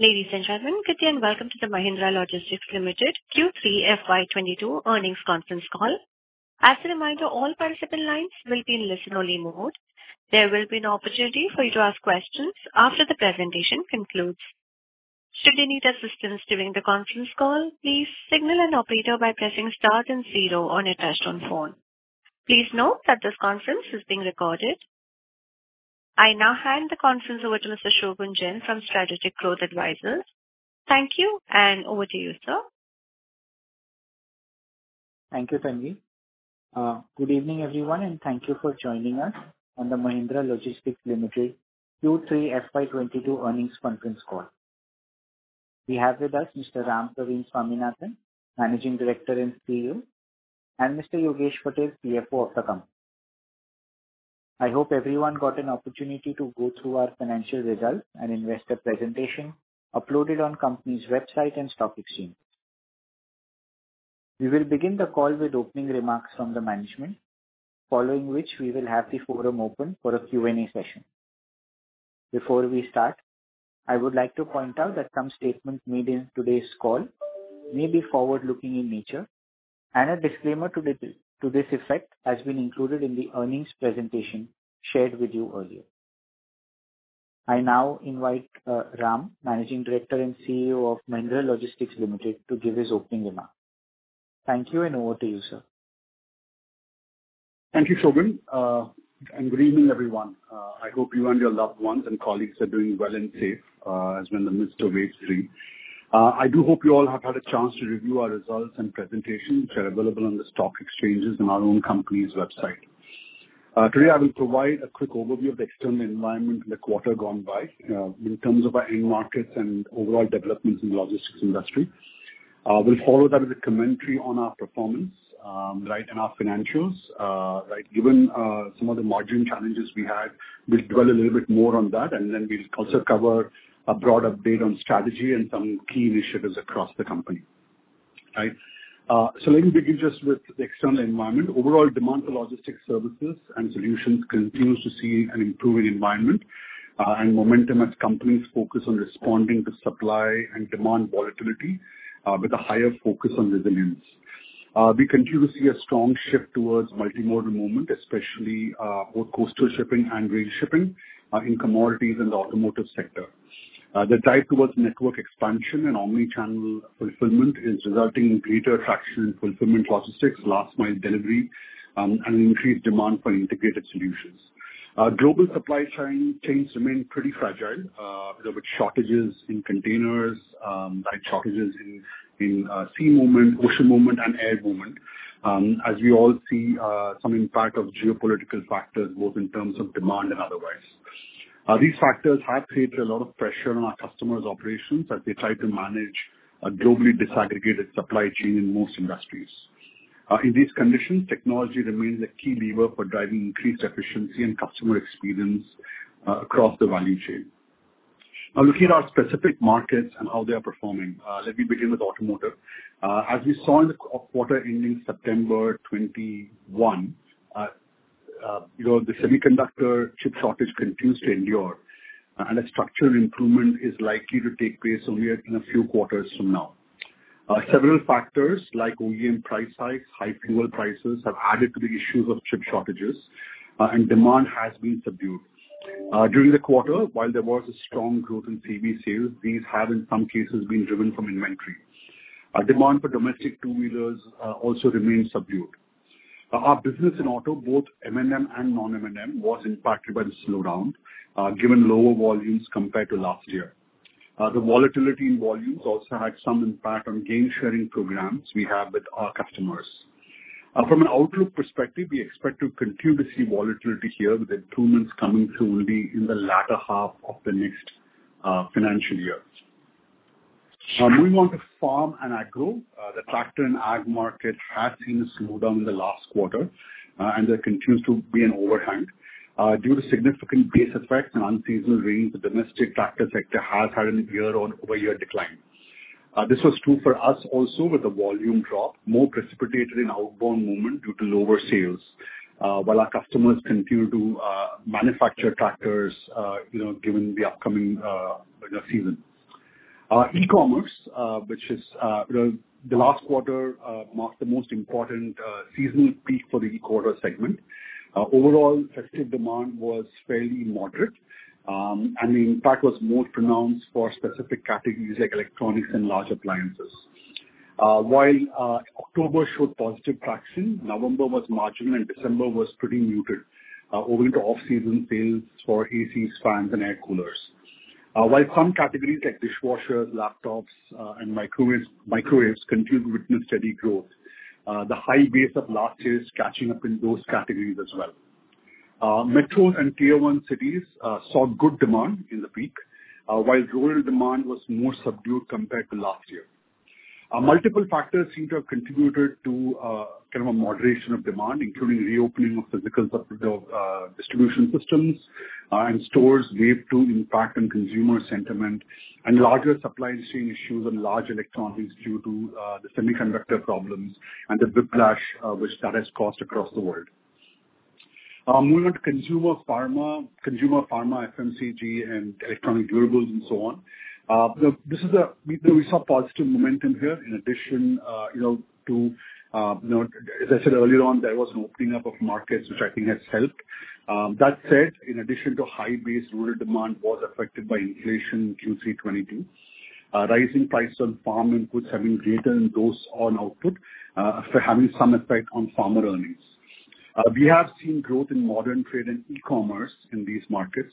Ladies and gentlemen, good day and welcome to the Mahindra Logistics Limited Q3 FY 2022 Earnings Conference Call. As a reminder, all participant lines will be in listen only mode. There will be an opportunity for you to ask questions after the presentation concludes. Should you need assistance during the conference call, please signal an operator by pressing star then zero on your touchtone phone. Please note that this conference is being recorded. I now hand the conference over to Mr. Shogun Jain from Strategic Growth Advisors. Thank you, and over to you, sir. Thank you, Tanvi. Good evening, everyone, and thank you for joining us on the Mahindra Logistics Limited Q3 FY 2022 earnings conference call. We have with us Mr. Rampraveen Swaminathan, Managing Director and CEO, and Mr. Yogesh Patel, CFO of the company. I hope everyone got an opportunity to go through our financial results and investor presentation uploaded on company's website and stock exchange. We will begin the call with opening remarks from the management, following which we will have the forum open for a Q&A session. Before we start, I would like to point out that some statements made in today's call may be forward-looking in nature, and a disclaimer to this effect has been included in the earnings presentation shared with you earlier. I now invite Ram, Managing Director and CEO of Mahindra Logistics Limited, to give his opening remarks. Thank you, and over to you, sir. Thank you, Shogun. Good evening, everyone. I hope you and your loved ones and colleagues are doing well and safe, as we are in the midst of wave three. I do hope you all have had a chance to review our results and presentation, which are available on the stock exchanges and our own company's website. Today I will provide a quick overview of the external environment in the quarter gone by, in terms of our end markets and overall developments in the logistics industry. We'll follow that with a commentary on our performance, right, and our financials. Right. Given some of the margin challenges we had, we'll dwell a little bit more on that, and then we'll also cover a broad update on strategy and some key initiatives across the company. Right. Let me begin just with the external environment. Overall demand for logistics services and solutions continues to see an improving environment and momentum as companies focus on responding to supply and demand volatility with a higher focus on resilience. We continue to see a strong shift towards multimodal movement, especially both coastal shipping and rail shipping in commodities and the automotive sector. The drive towards network expansion and omni-channel fulfillment is resulting in greater traction in fulfillment logistics, last mile delivery, and increased demand for integrated solutions. Global supply chains remain pretty fragile with shortages in containers, like shortages in sea movement, ocean movement, and air movement, as we all see some impact of geopolitical factors both in terms of demand and otherwise. These factors have created a lot of pressure on our customers' operations as they try to manage a globally disaggregated supply chain in most industries. In these conditions, technology remains a key lever for driving increased efficiency and customer experience across the value chain. Now looking at our specific markets and how they are performing, let me begin with automotive. As we saw in the quarter ending September 2021, you know, the semiconductor chip shortage continues to endure, and a structural improvement is likely to take place only in a few quarters from now. Several factors like OEM price hikes, high fuel prices, have added to the issues of chip shortages, and demand has been subdued. During the quarter, while there was a strong growth in PV sales, these have in some cases been driven from inventory. Demand for domestic two-wheelers also remains subdued. Our business in auto, both M&M and non-M&M, was impacted by the slowdown, given lower volumes compared to last year. The volatility in volumes also had some impact on gain-sharing programs we have with our customers. From an outlook perspective, we expect to continue to see volatility here, with improvements coming through will be in the latter half of the next, financial year. Now moving on to farm and agro. The tractor and ag market has seen a slowdown in the last quarter, and there continues to be an overhang. Due to significant base effects and unseasonal rains, the domestic tractor sector has had a year-over-year decline. This was true for us also, with the volume drop more precipitated in outbound movement due to lower sales, while our customers continue to manufacture tractors, you know, given the upcoming season. E-commerce, which is, you know, the last quarter, marked the most important seasonal peak for the e-commerce segment. Overall effective demand was fairly moderate, and the impact was more pronounced for specific categories like electronics and large appliances. While October showed positive traction, November was marginal and December was pretty muted, owing to off-season sales for ACs, fans, and air coolers. While some categories like dishwashers, laptops, and microwaves continued to witness steady growth, the high base of last year is catching up in those categories as well. Metro and tier one cities saw good demand in the peak, while rural demand was more subdued compared to last year. Multiple factors seem to have contributed to kind of a moderation of demand, including reopening of physical distribution systems and stores, wave two impact on consumer sentiment and larger supply chain issues on large electronics due to the semiconductor problems and the whiplash which that has caused across the world. Moving on to consumer pharma, FMCG and electronic durables and so on. We saw positive momentum here in addition, you know to, you know. As I said earlier on, there was an opening up of markets which I think has helped. That said, in addition to high base, rural demand was affected by inflation in Q3 2022. Rising prices on farm inputs having greater than those on output for having some effect on farmer earnings. We have seen growth in modern trade and e-commerce in these markets.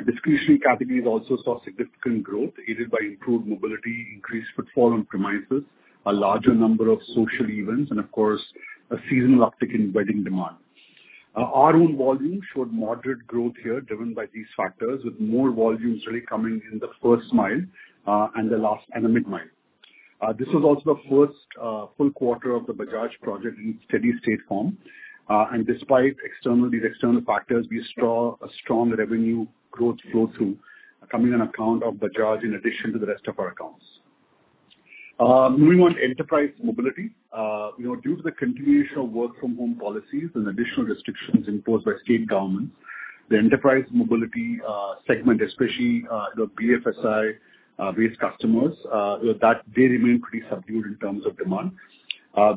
Discretionary categories also saw significant growth aided by improved mobility, increased footfall on premises, a larger number of social events and of course a seasonal uptick in wedding demand. Our own volume showed moderate growth here driven by these factors with more volumes really coming in the first mile and the last and the mid-mile. This was also the first full quarter of the Bajaj project in steady-state form. Despite these external factors, we saw a strong revenue growth flow through coming on account of Bajaj in addition to the rest of our accounts. Moving on to enterprise mobility. You know, due to the continuation of work from home policies and additional restrictions imposed by state governments, the enterprise mobility segment especially, you know, BFSI based customers, you know, that they remain pretty subdued in terms of demand.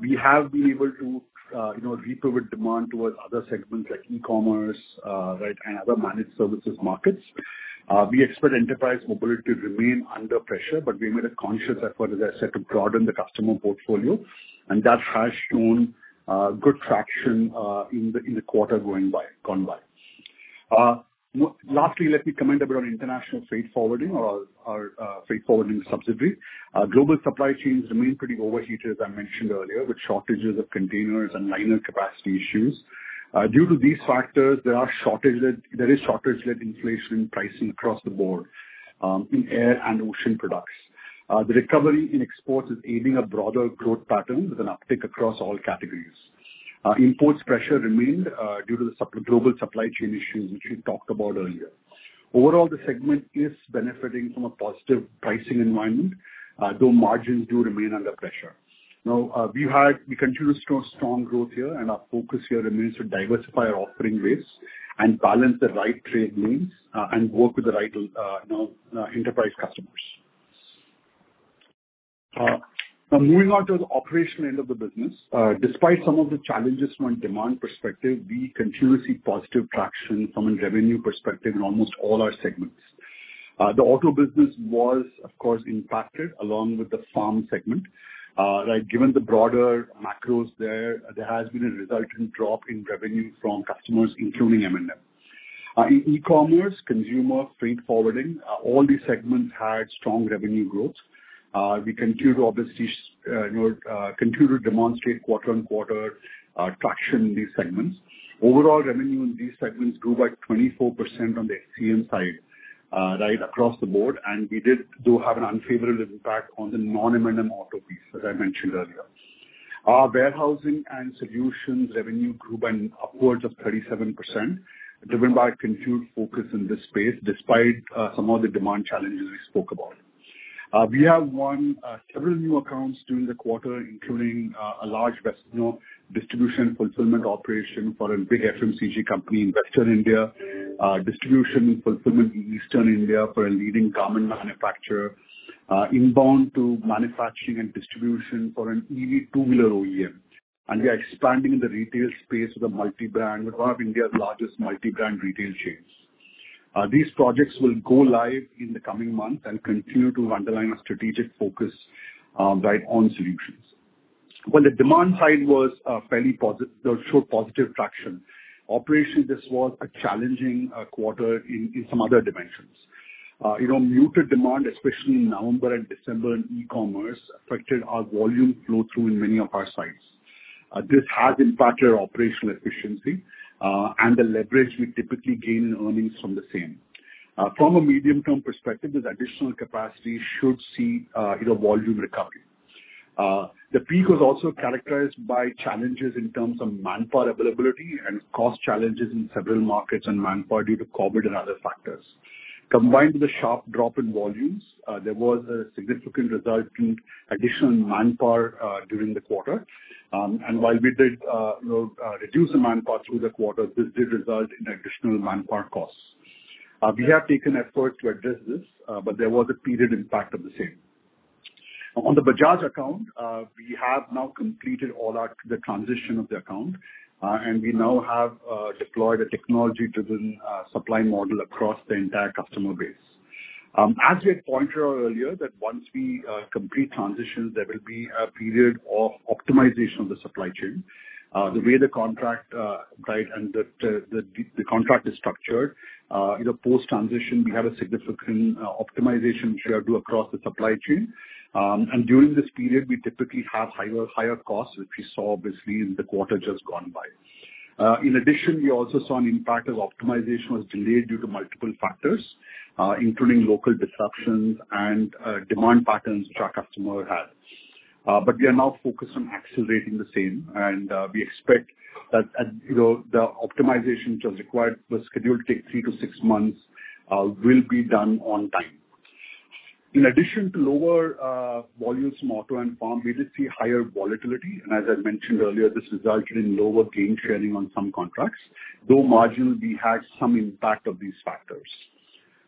We have been able to, you know, reprioritize demand towards other segments like e-commerce, right, and other managed services markets. We expect enterprise mobility to remain under pressure, but we made a conscious effort, as I said, to broaden the customer portfolio and that has shown good traction in the quarter gone by. Lastly, let me comment about our international freight forwarding or our freight forwarding subsidiary. Global supply chains remain pretty overheated as I mentioned earlier, with shortages of containers and liner capacity issues. Due to these factors, there is shortage-led inflation in pricing across the board in air and ocean products. The recovery in exports is driving a broader growth pattern with an uptick across all categories. Import pressures remained due to global supply chain issues which we talked about earlier. Overall, the segment is benefiting from a positive pricing environment, though margins do remain under pressure. Now, we continue to show strong growth here and our focus here remains to diversify our offering base and balance the right trade lanes, and work with the right, you know, enterprise customers. Now moving on to the operational end of the business. Despite some of the challenges from a demand perspective, we continue to see positive traction from a revenue perspective in almost all our segments. The auto business was of course impacted along with the farm segment. Right, given the broader macros there has been a resultant drop in revenue from customers, including M&M. E-commerce, consumer, freight forwarding, all these segments had strong revenue growth. We continue to obviously, you know, demonstrate quarter-on-quarter traction in these segments. Overall revenue in these segments grew by 24% on the ACM side, right across the board. We did though have an unfavorable impact on the non-M&M auto piece, as I mentioned earlier. Our warehousing and solutions revenue grew by upwards of 37%, driven by continued focus in this space despite some of the demand challenges we spoke about. We have won several new accounts during the quarter, including a large, you know, distribution fulfillment operation for a big FMCG company in Western India. Distribution fulfillment in Eastern India for a leading garment manufacturer. Inbound to manufacturing and distribution for an EV two-wheeler OEM. We are expanding in the retail space with a multi-brand, with one of India's largest multi-brand retail chains. These projects will go live in the coming months and continue to underline our strategic focus right on solutions. While the demand side showed positive traction, operationally this was a challenging quarter in some other dimensions. You know, muted demand, especially in November and December in e-commerce, affected our volume flow through in many of our sites. This has impacted our operational efficiency, and the leverage we typically gain in earnings from the same. From a medium-term perspective, this additional capacity should see, you know, volume recovery. The peak was also characterized by challenges in terms of manpower availability and cost challenges in several markets and manpower due to COVID and other factors. Combined with a sharp drop in volumes, there was a significant result in additional manpower during the quarter. And while we did, you know, reduce the manpower through the quarter, this did result in additional manpower costs. We have taken effort to address this, but there was a period impact of the same. On the Bajaj account, we have now completed the transition of the account, and we now have deployed a technology-driven supply model across the entire customer base. As we had pointed out earlier, that once we complete transitions, there will be a period of optimization of the supply chain. The way the contract, right, and the contract is structured, you know, post-transition, we have a significant optimization share due across the supply chain. During this period, we typically have higher costs, which we saw obviously in the quarter just gone by. In addition, we also saw an impact of optimization was delayed due to multiple factors, including local disruptions and demand patterns which our customer had. We are now focused on accelerating the same. We expect that, you know, the optimization which was required was scheduled to take 3-6 months, will be done on time. In addition to lower volumes from auto and farm, we did see higher volatility. As I mentioned earlier, this resulted in lower gain sharing on some contracts, though margin, we had some impact of these factors.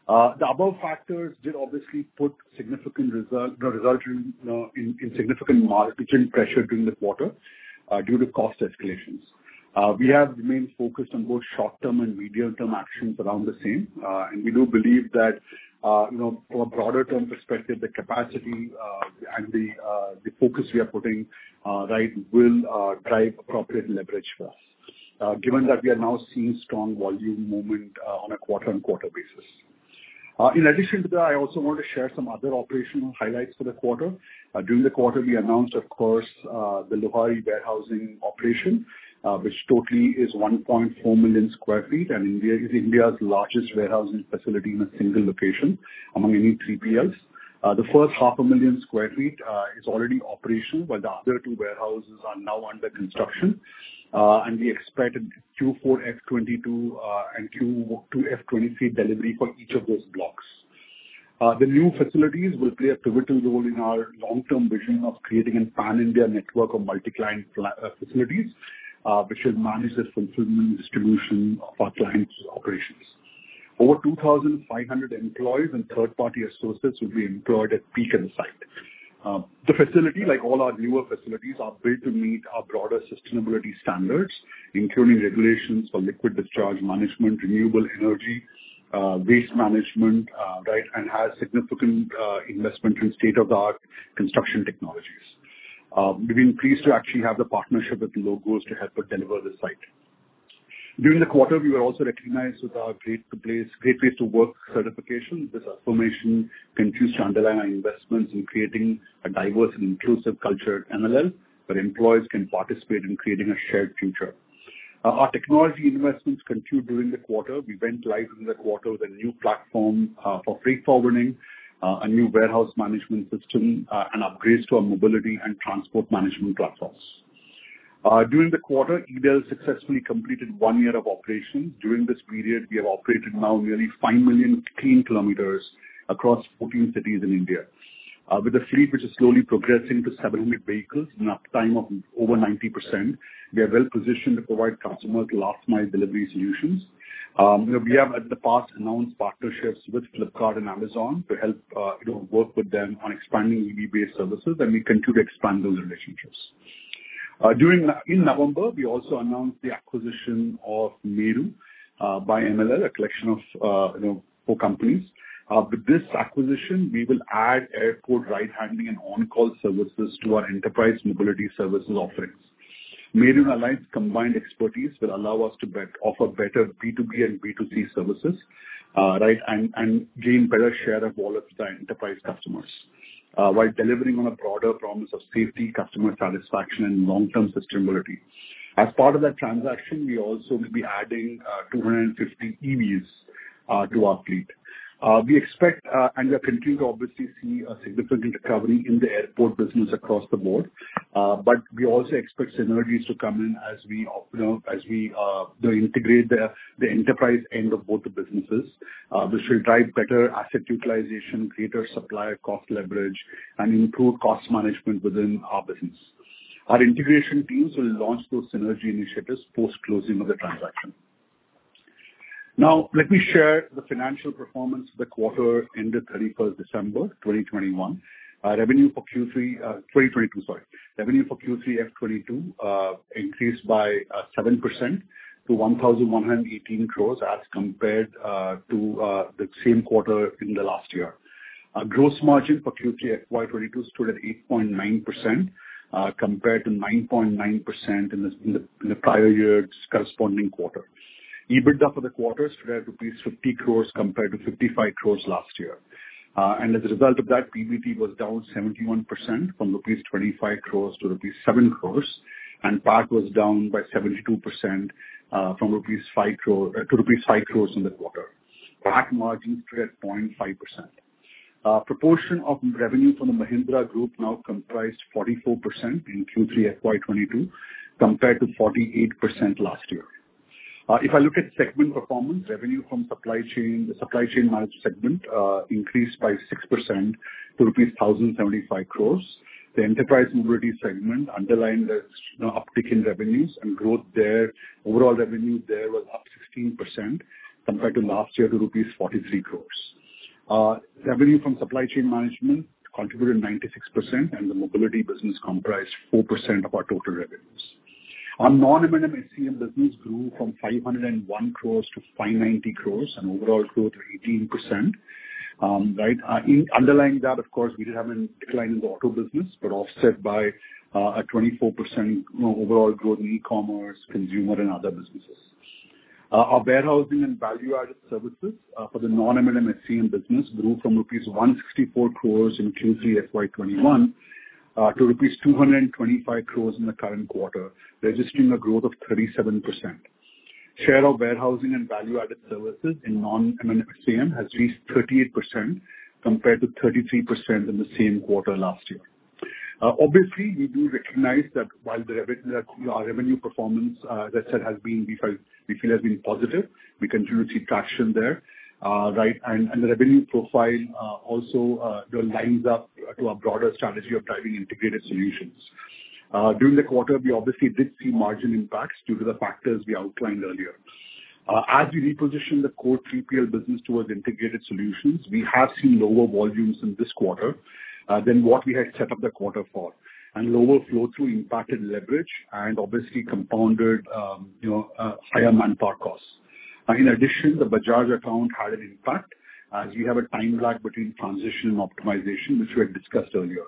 The above factors did obviously resulted in significant margin pressure during the quarter, due to cost escalations. We have remained focused on both short-term and medium-term actions around the same. We do believe that, you know, from a broader term perspective, the capacity and the focus we are putting right will drive appropriate leverage for us, given that we are now seeing strong volume movement on a quarter-on-quarter basis. In addition to that, I also want to share some other operational highlights for the quarter. During the quarter, we announced, of course, the Luhari warehousing operation, which totally is 1.4 million sq ft, and it is India's largest warehousing facility in a single location among any 3PLs. The first 0.5 million sq ft is already operational, while the other two warehouses are now under construction. We expect Q4 FY 2022 and Q1 FY 2023 delivery for each of those blocks. The new facilities will play a pivotal role in our long-term vision of creating a pan-India network of multi-client facilities, which will manage the fulfillment and distribution of our clients' operations. 2,500 employees and third-party associates will be employed at peak on-site. The facility like all our newer facilities are built to meet our broader sustainability standards, including regulations for liquid discharge management, renewable energy, waste management, and has significant investment in state-of-the-art construction technologies. We've been pleased to actually have the partnership with LOGOS to help us deliver the site. During the quarter, we were also recognized with our Great Place to Work certification. This affirmation continues to underline our investments in creating a diverse and inclusive culture at MLL, where employees can participate in creating a shared future. Our technology investments continued during the quarter. We went live in the quarter with a new platform for freight forwarding, a new warehouse management system, and upgrades to our mobility and transport management platforms. During the quarter, eDeL successfully completed 1 year of operation. During this period, we have operated now nearly 5 million clean kilometers across 14 cities in India. With a fleet which is slowly progressing to 700 vehicles and uptime of over 90%, we are well positioned to provide customers last mile delivery solutions. You know, we have in the past announced partnerships with Flipkart and Amazon to help, you know, work with them on expanding EV-based services, and we continue to expand those relationships. In November, we also announced the acquisition of Meru by MLL, a collection of, you know, 4 companies. With this acquisition, we will add airport ride-handling and on-call services to our enterprise mobility services offerings. Meru and Alliance combined expertise will allow us to offer better B2B and B2C services, right, and gain better share of wallet to our enterprise customers, while delivering on a broader promise of safety, customer satisfaction and long-term sustainability. As part of that transaction, we also will be adding 250 EVs to our fleet. We expect and we are continuing to obviously see a significant recovery in the airport business across the board, but we also expect synergies to come in as we you know integrate the enterprise end of both the businesses. This will drive better asset utilization, greater supplier cost leverage, and improved cost management within our business. Our integration teams will launch those synergy initiatives post-closing of the transaction. Now, let me share the financial performance for the quarter ended 31 December 2021. Revenue for Q3 FY 2022 increased by 7% to 1,118 crores compared to the same quarter last year. Our gross margin for Q3 FY 2022 stood at 8.9%, compared to 9.9% in the prior year's corresponding quarter. EBITDA for the quarter stood at rupees 50 crores compared to 55 crores last year. As a result of that, PBT was down 71% from rupees 25 crores to rupees 7 crores, and PAT was down by 72% from rupees 18 crores to rupees 5 crores in the quarter. PAT margin stood at 0.5%. Proportion of revenue from the Mahindra Group now comprised 44% in Q3 FY 2022 compared to 48% last year. If I look at segment performance, revenue from supply chain, the supply chain management segment, increased by 6% to rupees 1,075 crores. The enterprise mobility segment underlined a, you know, uptick in revenues and growth there. Overall revenue there was up 16% compared to last year to rupees 43 crores. Revenue from supply chain management contributed 96%, and the mobility business comprised 4% of our total revenues. Our non-M&M business grew from 501 crores to 590 crores, an overall growth of 18%. Right. Underlying that of course we did have a decline in the auto business, but offset by a 24%, you know, overall growth in e-commerce, consumer and other businesses. Our warehousing and value-added services for the non-M&M business grew from INR 164 crore in Q3 FY 2021 to INR 225 crore in the current quarter, registering a growth of 37%. Share of warehousing and value-added services in non-M&M has reached 38% compared to 33% in the same quarter last year. Obviously, we do recognize that while our revenue performance, we feel, has been positive. We continue to see traction there. The revenue profile also, you know, lines up to our broader strategy of driving integrated solutions. During the quarter, we obviously did see margin impacts due to the factors we outlined earlier. As we reposition the core 3PL business towards integrated solutions, we have seen lower volumes in this quarter than what we had set up the quarter for. Lower flow-through impacted leverage and obviously compounded you know higher manpower costs. In addition, the Bajaj account had an impact as you have a time lag between transition and optimization, which we had discussed earlier.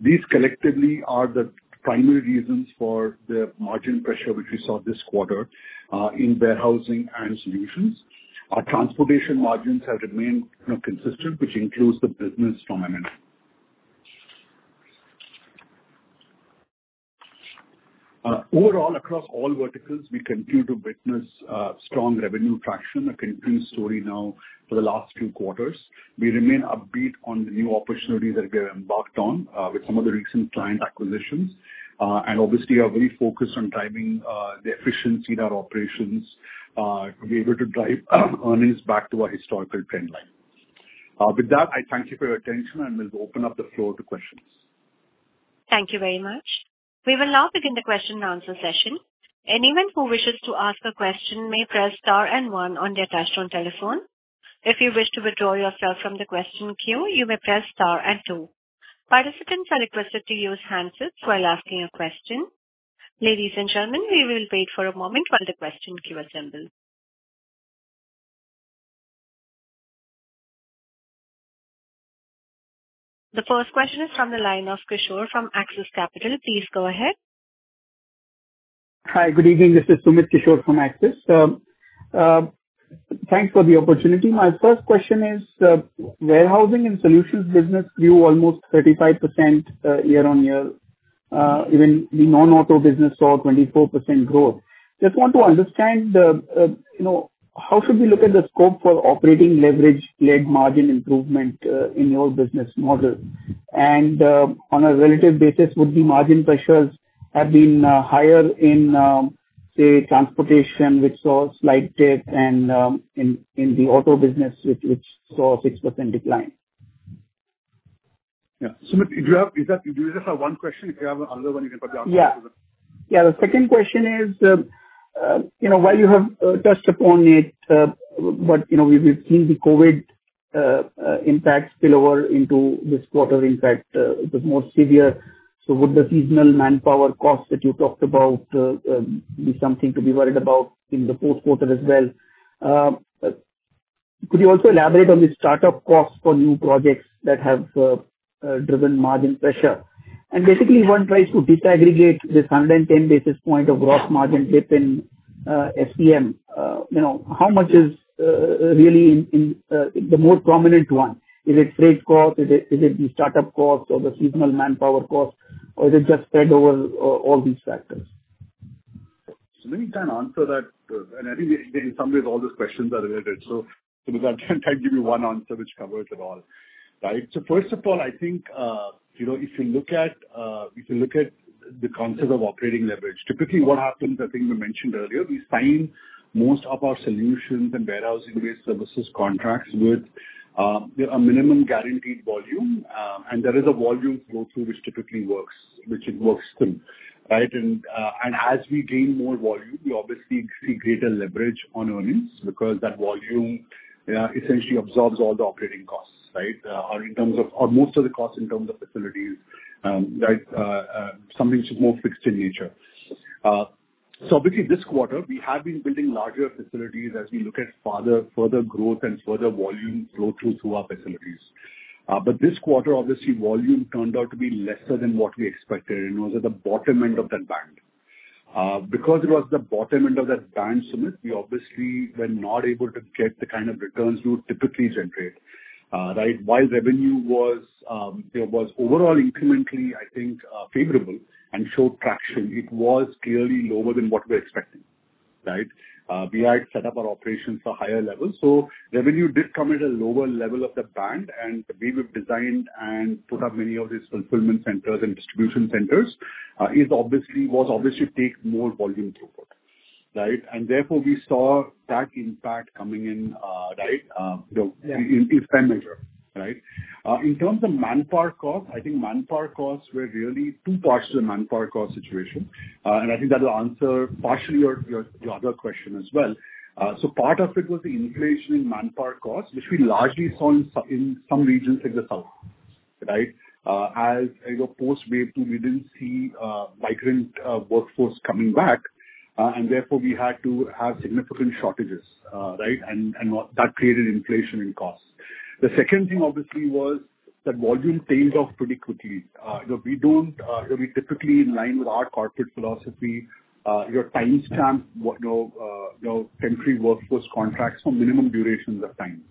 These collectively are the primary reasons for the margin pressure which we saw this quarter in warehousing and solutions. Our transportation margins have remained you know consistent, which includes the business from M&A. Overall, across all verticals, we continue to witness strong revenue traction, a continued story now for the last few quarters. We remain upbeat on the new opportunities that we have embarked on, with some of the recent client acquisitions, and obviously are very focused on driving the efficiency in our operations to be able to drive earnings back to our historical trend line. With that, I thank you for your attention, and we'll open up the floor to questions. Thank you very much. We will now begin the question and answer session. Anyone who wishes to ask a question may press star and one on their touchtone telephone. If you wish to withdraw yourself from the question queue, you may press star and two. Participants are requested to use handsets while asking a question. Ladies and gentlemen, we will wait for a moment while the question queue assembles. The first question is from the line of Sumit Kishore from Axis Capital. Please go ahead. Hi, good evening. This is Sumit Kishore from Axis. Thanks for the opportunity. My first question is, warehousing and solutions business grew almost 35%, year-on-year. Even the non-auto business saw 24% growth. Just want to understand, you know, how should we look at the scope for operating leverage led margin improvement, in your business model? On a relative basis, would the margin pressures have been higher in, say, transportation, which saw slight dip and, in the auto business, which saw a 6% decline? Yeah. Sumit, do you just have one question? If you have another one, you can put the other one. The second question is, you know, while you have touched upon it, but, you know, we've seen the COVID impact spill over into this quarter. In fact, it was more severe. Would the seasonal manpower costs that you talked about be something to be worried about in the fourth quarter as well? Could you also elaborate on the startup costs for new projects that have driven margin pressure? Basically one tries to disaggregate this 110 basis points of gross margin dip in SCM. You know, how much is really in the more prominent one? Is it freight cost? Is it the startup cost or the seasonal manpower cost, or is it just spread over all these factors? Let me try and answer that. I think in some ways all those questions are related. Sumit, I'll try and give you one answer which covers it all. Right. First of all, I think, you know, if you look at the concept of operating leverage, typically what happens, I think we mentioned earlier, we sign most of our solutions and warehousing-based services contracts with a minimum guaranteed volume. There is a volume flow through which typically works through, right? As we gain more volume, we obviously see greater leverage on earnings because that volume essentially absorbs all the operating costs, right, or most of the costs in terms of facilities, right, something which is more fixed in nature. Obviously this quarter we have been building larger facilities as we look at further growth and further volume flow through to our facilities. This quarter obviously volume turned out to be lesser than what we expected and was at the bottom end of that band. Because it was the bottom end of that band, Sumit, we obviously were not able to get the kind of returns we would typically generate. Right. While revenue was, it was overall incrementally, I think, favorable and showed traction, it was clearly lower than what we're expecting, right? We had set up our operations for higher levels. Revenue did come at a lower level of the band, and the way we've designed and put up many of these fulfillment centers and distribution centers was obviously to take more volume throughput, right? Therefore we saw that impact coming in, right, you know, in fair measure, right. In terms of manpower cost, I think manpower costs were really two parts to the manpower cost situation. I think that will answer partially your other question as well. Part of it was the inflation in manpower costs, which we largely saw in some regions like the South, right. As you know, post wave two, we didn't see migrant workforce coming back, and therefore we had to have significant shortages, right. That created inflation in costs. The second thing obviously was that volume tailed off pretty quickly. You know, we don't We typically, in line with our corporate philosophy, time them for minimum durations of time.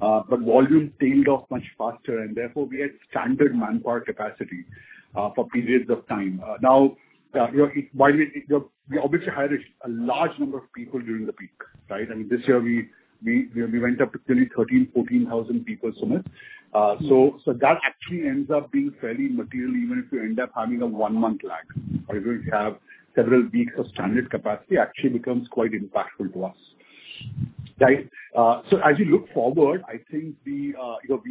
Volume tailed off much faster, and therefore we had stranded manpower capacity for periods of time. We obviously hired a large number of people during the peak, right? I mean, this year we went up to nearly 13,000 to 14,000 people, Sumit. That actually ends up being fairly material, even if you end up having a one-month lag or even if you have several weeks of standard capacity, actually becomes quite impactful to us. Right? As you look forward, I think we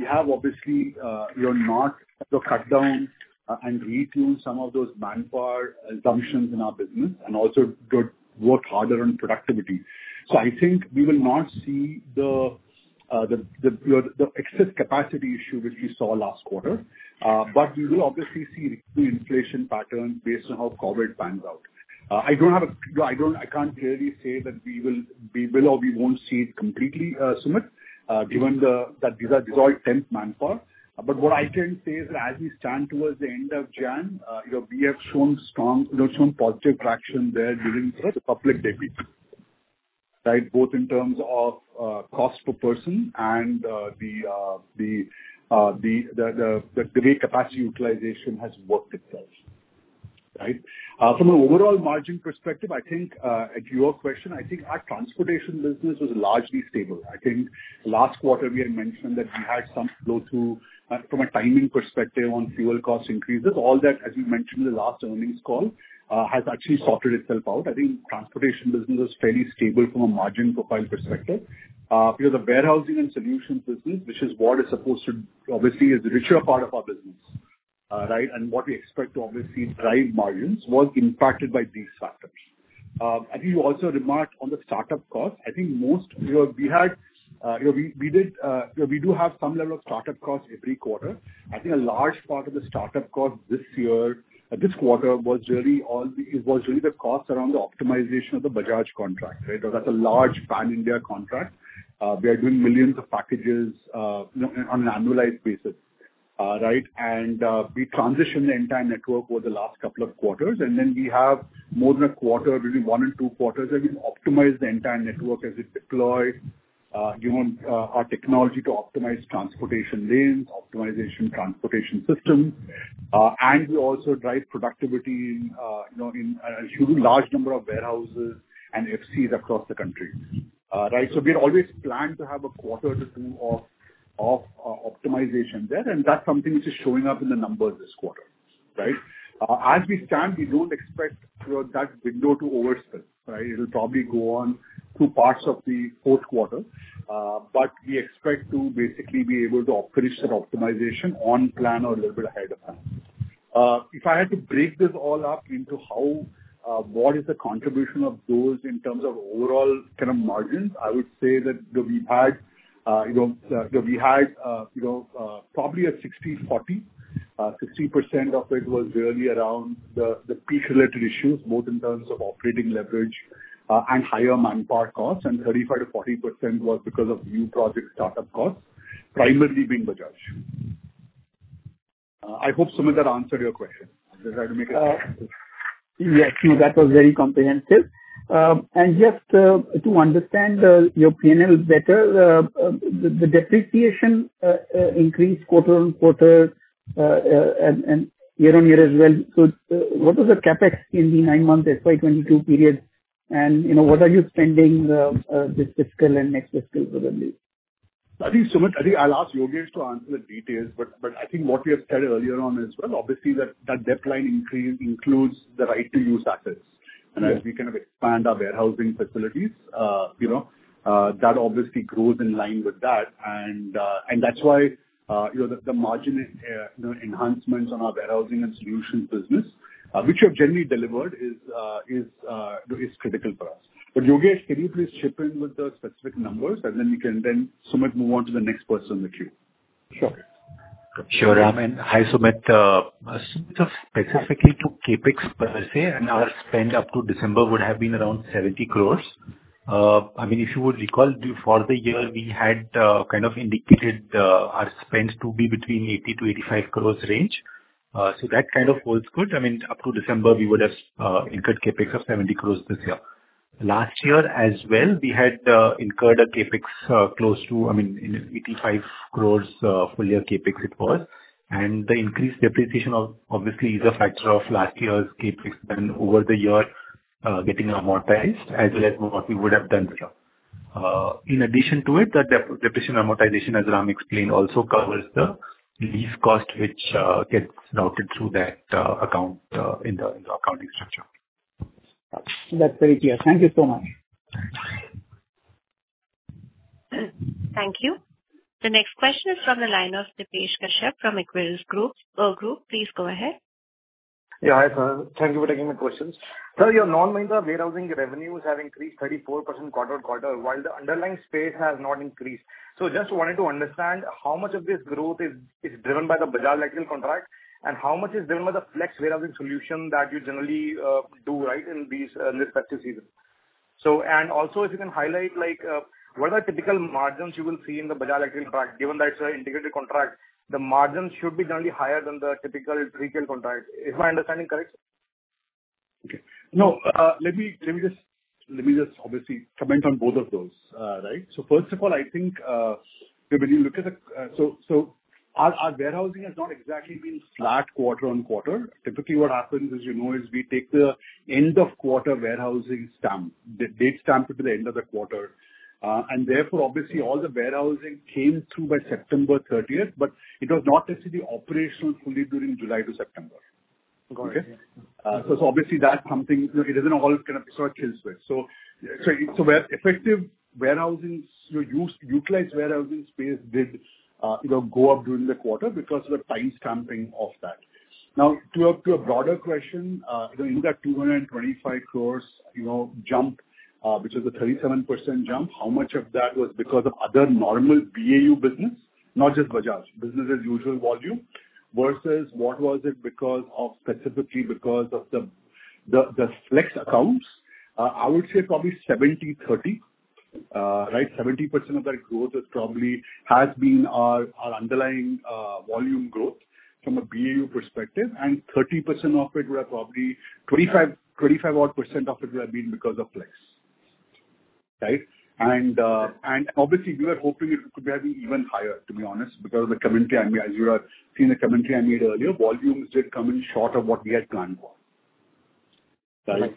have obviously need to cut down and retune some of those manpower assumptions in our business and also to work harder on productivity. I think we will not see the excess capacity issue which we saw last quarter. We will obviously see the inflation pattern based on how COVID pans out. I can't clearly say that we will or we won't see it completely, Sumit, given that these are temporary manpower. What I can say is that as we stand towards the end of January, you know, we have shown strong positive traction there during the Republic Day period. Right? Both in terms of cost per km and the daily capacity utilization has worked itself out, right? From an overall margin perspective, I think to your question, I think our transportation business was largely stable. I think last quarter we had mentioned that we had some flow through from a timing perspective on fuel cost increases. All that, as we mentioned in the last earnings call, has actually sorted itself out. I think transportation business is fairly stable from a margin profile perspective. Because the warehousing and solutions business, which is what is supposed to obviously is the richer part of our business, right? What we expect to obviously drive margins was impacted by these factors. I think you also remarked on the start-up costs. I think most, you know, we do have some level of start-up costs every quarter. I think a large part of the start-up costs this year, this quarter was really the costs around the optimization of the Bajaj contract, right? That's a large pan-India contract. We are doing millions of packages, you know, on an annualized basis, right? We transitioned the entire network over the last couple of quarters, and then we have more than a quarter, between one and two quarters, and we've optimized the entire network as it's deployed, given our technology to optimize transportation lanes, optimization transportation systems. We also drive productivity in, you know, in a hugely large number of warehouses and FCs across the country. Right? We'd always planned to have a quarter or two of optimization there, and that's something which is showing up in the numbers this quarter, right? As we stand, we don't expect, you know, that window to overspend, right? It'll probably go on through parts of the fourth quarter. We expect to basically be able to finish that optimization on plan or a little bit ahead of time. If I had to break this all up into what is the contribution of those in terms of overall kind of margins, I would say that, you know, we had, you know, probably a 60/40. 60% of it was really around the peak-related issues, both in terms of operating leverage and higher manpower costs. 35%-40% was because of new project start-up costs, primarily being Bajaj. I hope, Sumit, that answered your question. I just had to make it- Yeah, actually, that was very comprehensive. Just to understand your P&L better, the depreciation increased quarter-on-quarter and year-on-year as well. What was the CapEx in the nine-month FY 2022 period? You know, what are you spending this fiscal and next fiscal probably? I think, Sumit, I think I'll ask Yogesh to answer the details, but I think what we have said earlier on as well, obviously, that the line increase includes the right-of-use assets. Yeah. As we kind of expand our warehousing facilities, you know, that obviously grows in line with that. That's why, you know, the margin, you know, enhancements on our warehousing and solutions business, which we have generally delivered, is critical for us. Yogesh, can you please chip in with the specific numbers? Then we can, Sumit, move on to the next person in the queue. Sure. Okay. Sure, Ram, and hi, Sumit. Sumit, specifically to CapEx per se and our spend up to December would have been around 70 crore. I mean, if you would recall, for the year, we had kind of indicated our spends to be between 80 crore-85 crore range. That kind of holds good. I mean, up to December, we would have incurred CapEx of 70 crore this year. Last year as well, we had incurred a CapEx close to, I mean, 85 crore full year CapEx it was. The increased depreciation obviously is a factor of last year's CapEx spend over the year getting amortized as well as what we would have done this year. In addition to it, the depreciation amortization, as Ram explained, also covers the lease cost which gets routed through that account in the accounting structure. That's very clear. Thank you so much. Thanks. Thank you. The next question is from the line of Depesh Kashyap from Equirus Securities Group. Please go ahead. Yeah, hi, sir. Thank you for taking my questions. Sir, your non-core warehousing revenues have increased 34% quarter-on-quarter, while the underlying space has not increased. Just wanted to understand how much of this growth is driven by the Bajaj Electricals contract and how much is driven by the flex warehousing solution that you generally do right in this festive season. Also if you can highlight, like, what are the typical margins you will see in the Bajaj Electricals contract. Given that it's an integrated contract, the margins should be generally higher than the typical retail contract. Is my understanding correct? No, let me just obviously comment on both of those, right? First of all, I think our warehousing has not exactly been flat quarter-on-quarter. Typically, what happens is, you know, we take the end-of-quarter warehousing stamp, the date stamped to the end of the quarter. Therefore, obviously all the warehousing came through by September thirtieth, but it was not necessarily operational fully during July to September. Got it. Okay? Obviously that's something, you know, it isn't all kind of switched with. Effective warehousing, you know, utilized warehousing space did, you know, go up during the quarter because of the time stamping of that. Now to a broader question, you know, in that 225 crores jump, you know, which is a 37% jump, how much of that was because of other normal BAU business, not just Bajaj. Business as usual volume versus what was it because of specifically because of the Flex accounts, I would say probably 70/30. Right, 70% of that growth is probably has been our underlying volume growth from a BAU perspective, and 30% of it were probably 25 odd % of it would have been because of Flex. Right? Obviously we are hoping it could have been even higher, to be honest, because of the commentary. I mean, as you have seen the commentary I made earlier, volumes did come in short of what we had planned for. Right.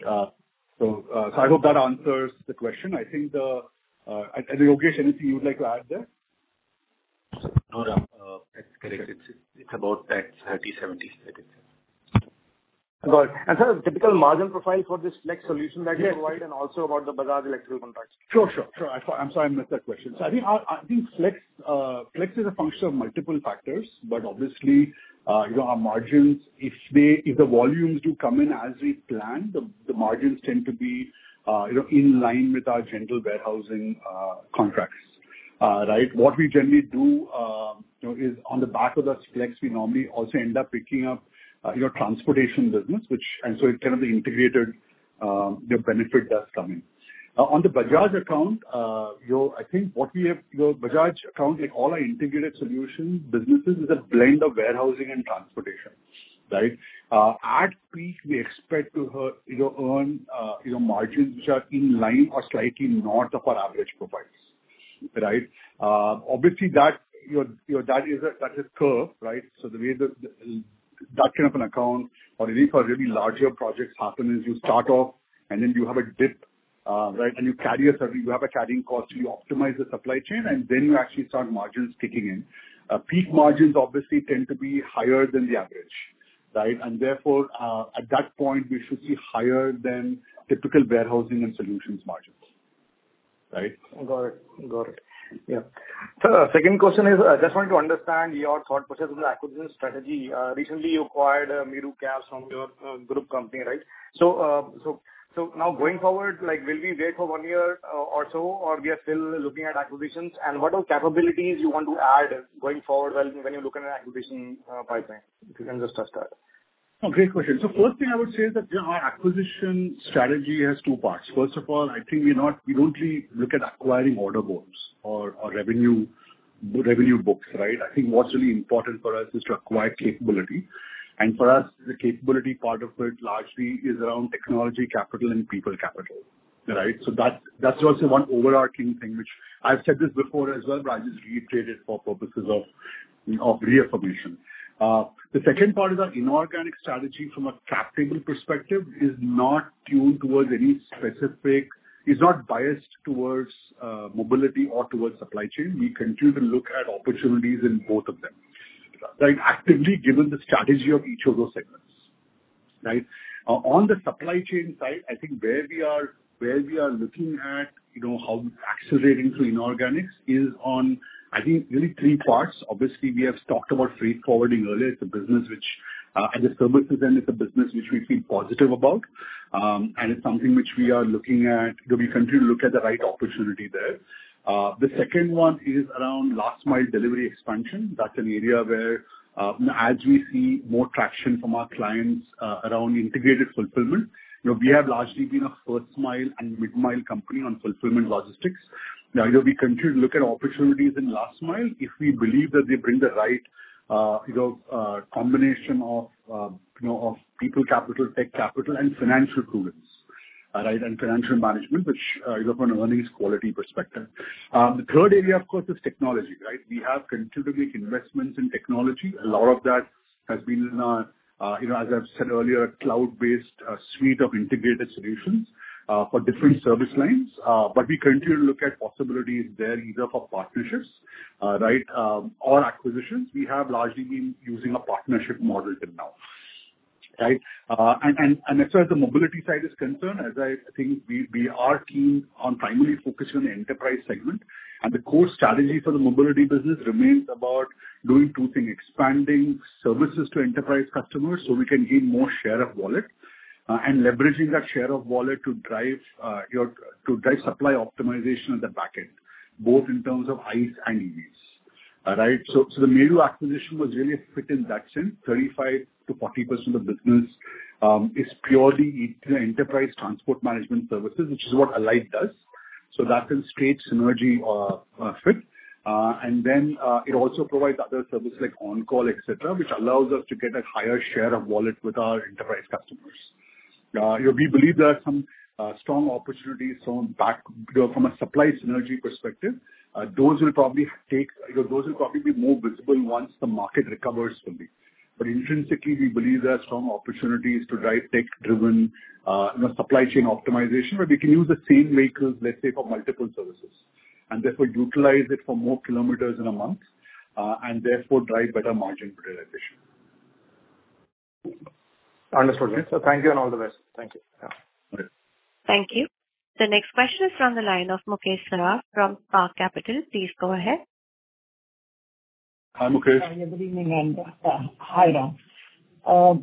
I hope that answers the question. I think, Yogesh, anything you'd like to add there? No, that's correct. It's about that 30/70 split. Got it. Sir, typical margin profile for this Flex solution that you provide and also about the Bajaj Electricals contracts? Sure. I'm sorry, I missed that question. I think Flex is a function of multiple factors, but obviously, you know, our margins, if the volumes do come in as we planned, the margins tend to be, you know, in line with our general warehousing contracts. Right. What we generally do, you know, is on the back of that Flex, we normally also end up picking up your transportation business, which and so it's kind of the integrated, you know, benefit that's coming. On the Bajaj account, I think what we have, your Bajaj account, like all our integrated solution businesses, is a blend of warehousing and transportation, right? At peak, we expect to, you know, earn, you know, margins which are in line or slightly north of our average profiles, right? Obviously that is a curve, right? So the way that kind of an account or any really larger projects happen is you start off and then you have a dip, right, and you carry a certain carrying cost, so you optimize the supply chain and then you actually start margins kicking in. Peak margins obviously tend to be higher than the average, right? Therefore, at that point, we should see higher than typical warehousing and solutions margins, right? Got it. Yeah. Second question is, I just wanted to understand your thought process of the acquisition strategy. Recently you acquired Meru Cabs from your group company, right? Now going forward, like will we wait for one year or so, or we are still looking at acquisitions? And what are capabilities you want to add going forward when you look at an acquisition pipeline? If you can just touch that. Oh, great question. First thing I would say is that, you know, our acquisition strategy has two parts. First of all, I think we don't really look at acquiring order books or revenue books, right? I think what's really important for us is to acquire capability. For us, the capability part of it largely is around technology capital and people capital, right? That's also one overarching thing which I've said this before as well, but I'll just reiterate it for purposes of reaffirmation. The second part is our inorganic strategy from a cap table perspective is not biased towards mobility or towards supply chain. We continue to look at opportunities in both of them, right? Actively, given the strategy of each of those segments, right? On the supply chain side, I think where we are looking at, you know, how accelerating through inorganics is on, I think really three parts. Obviously, we have talked about freight forwarding earlier. It's a business which, as a services end, it's a business which we feel positive about. It's something which we are looking at. We continue to look at the right opportunity there. The second one is around last mile delivery expansion. That's an area where, as we see more traction from our clients, around integrated fulfillment, you know, we have largely been a first mile and mid-mile company on fulfillment logistics. Now, you know, we continue to look at opportunities in last mile if we believe that they bring the right, you know, combination of people capital, tech capital and financial prudence, right, and financial management, which you look on an earnings quality perspective. The third area, of course, is technology, right? We have continued to make investments in technology. A lot of that has been in, as I've said earlier, a cloud-based suite of integrated solutions for different service lines. We continue to look at possibilities there either for partnerships or acquisitions. We have largely been using a partnership model till now, right? As far as the mobility side is concerned, as I think we are keen on primarily focusing on the enterprise segment. The core strategy for the mobility business remains about doing two things, expanding services to enterprise customers, so we can gain more share of wallet, and leveraging that share of wallet to drive supply optimization at the back end, both in terms of ICE and EVs, right? The Meru acquisition was really a fit in that sense. 35%-40% of business is purely enterprise transport management services, which is what Alyte does. That can create synergy, fit. It also provides other services like on-call, et cetera, which allows us to get a higher share of wallet with our enterprise customers. You know, we believe there are some strong opportunities from a supply synergy perspective. Those will probably be more visible once the market recovers fully. Intrinsically, we believe there are strong opportunities to drive tech-driven, you know, supply chain optimization, where we can use the same vehicles, let's say, for multiple services, and therefore utilize it for more kilometers in a month, and therefore drive better margin realization. Understood. Yeah. Thank you and all the best. Thank you. Yeah. Okay. Thank you. The next question is from the line of Mukesh Saraf from Spark Capital. Please go ahead. Hi, Mukesh. Hi, good evening, and hi, Ram. I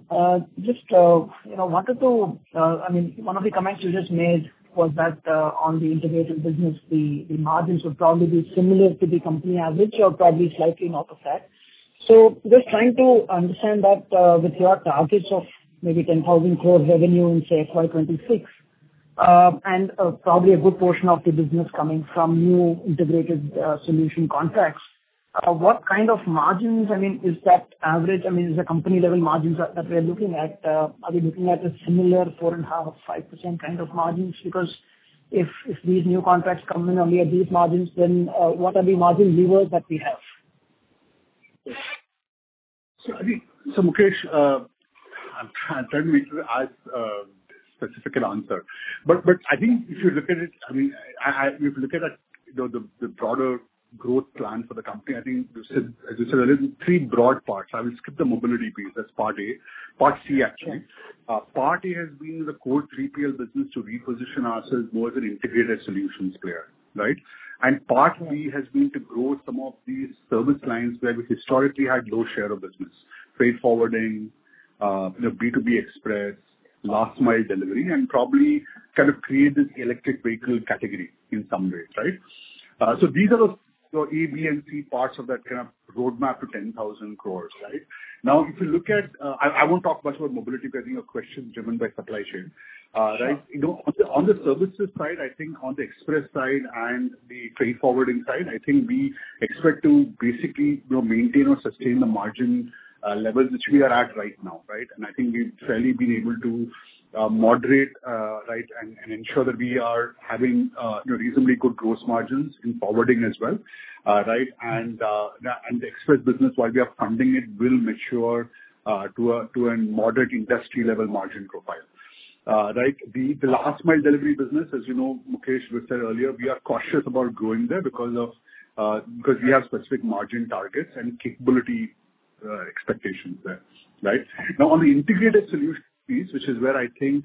mean, one of the comments you just made was that on the integrated business, the margins would probably be similar to the company average or probably slightly north of that. Just trying to understand that with your targets rmaybe 10,000 crore revenue in, say, FY 2026, and probably a good portion of the business coming from new integrated solution contracts, what kind of margins, I mean, is that average? I mean, is the company-level margins that we're looking at are we looking at a similar 4.5%-5% kind of margins? Because if these new contracts come in only at these margins, then what are the margin levers that we have? Mukesh, it's hard for me to specify an answer. I think if you look at it, I mean, if you look at, you know, the broader growth plan for the company, I think you said, as you said, there is three broad parts. I will skip the mobility piece. That's part A, part C actually. Part A has been the core 3PL business to reposition ourselves more as an integrated solutions player, right? Part B has been to grow some of these service lines where we historically had low share of business. Freight forwarding, you know, B2B express, last mile delivery, and probably kind of create this electric vehicle category in some ways, right? these are the, you know, A, B, and C parts of that kind of roadmap to 10,000 crore, right? Now, if you look at, I won't talk much about mobility because your question is driven by supply chain, right. Sure. You know, on the services side, I think on the express side and the freight forwarding side, I think we expect to basically, you know, maintain or sustain the margin levels which we are at right now, right? I think we've fairly been able to moderate, right, and ensure that we are having, you know, reasonably good gross margins in forwarding as well, right? The express business, while we are funding it, will mature to a moderate industry level margin profile, right? The last mile delivery business, as you know, Mukesh, we've said earlier, we are cautious about going there because we have specific margin targets and capability expectations there, right? Now, on the integrated solution piece, which is where I think,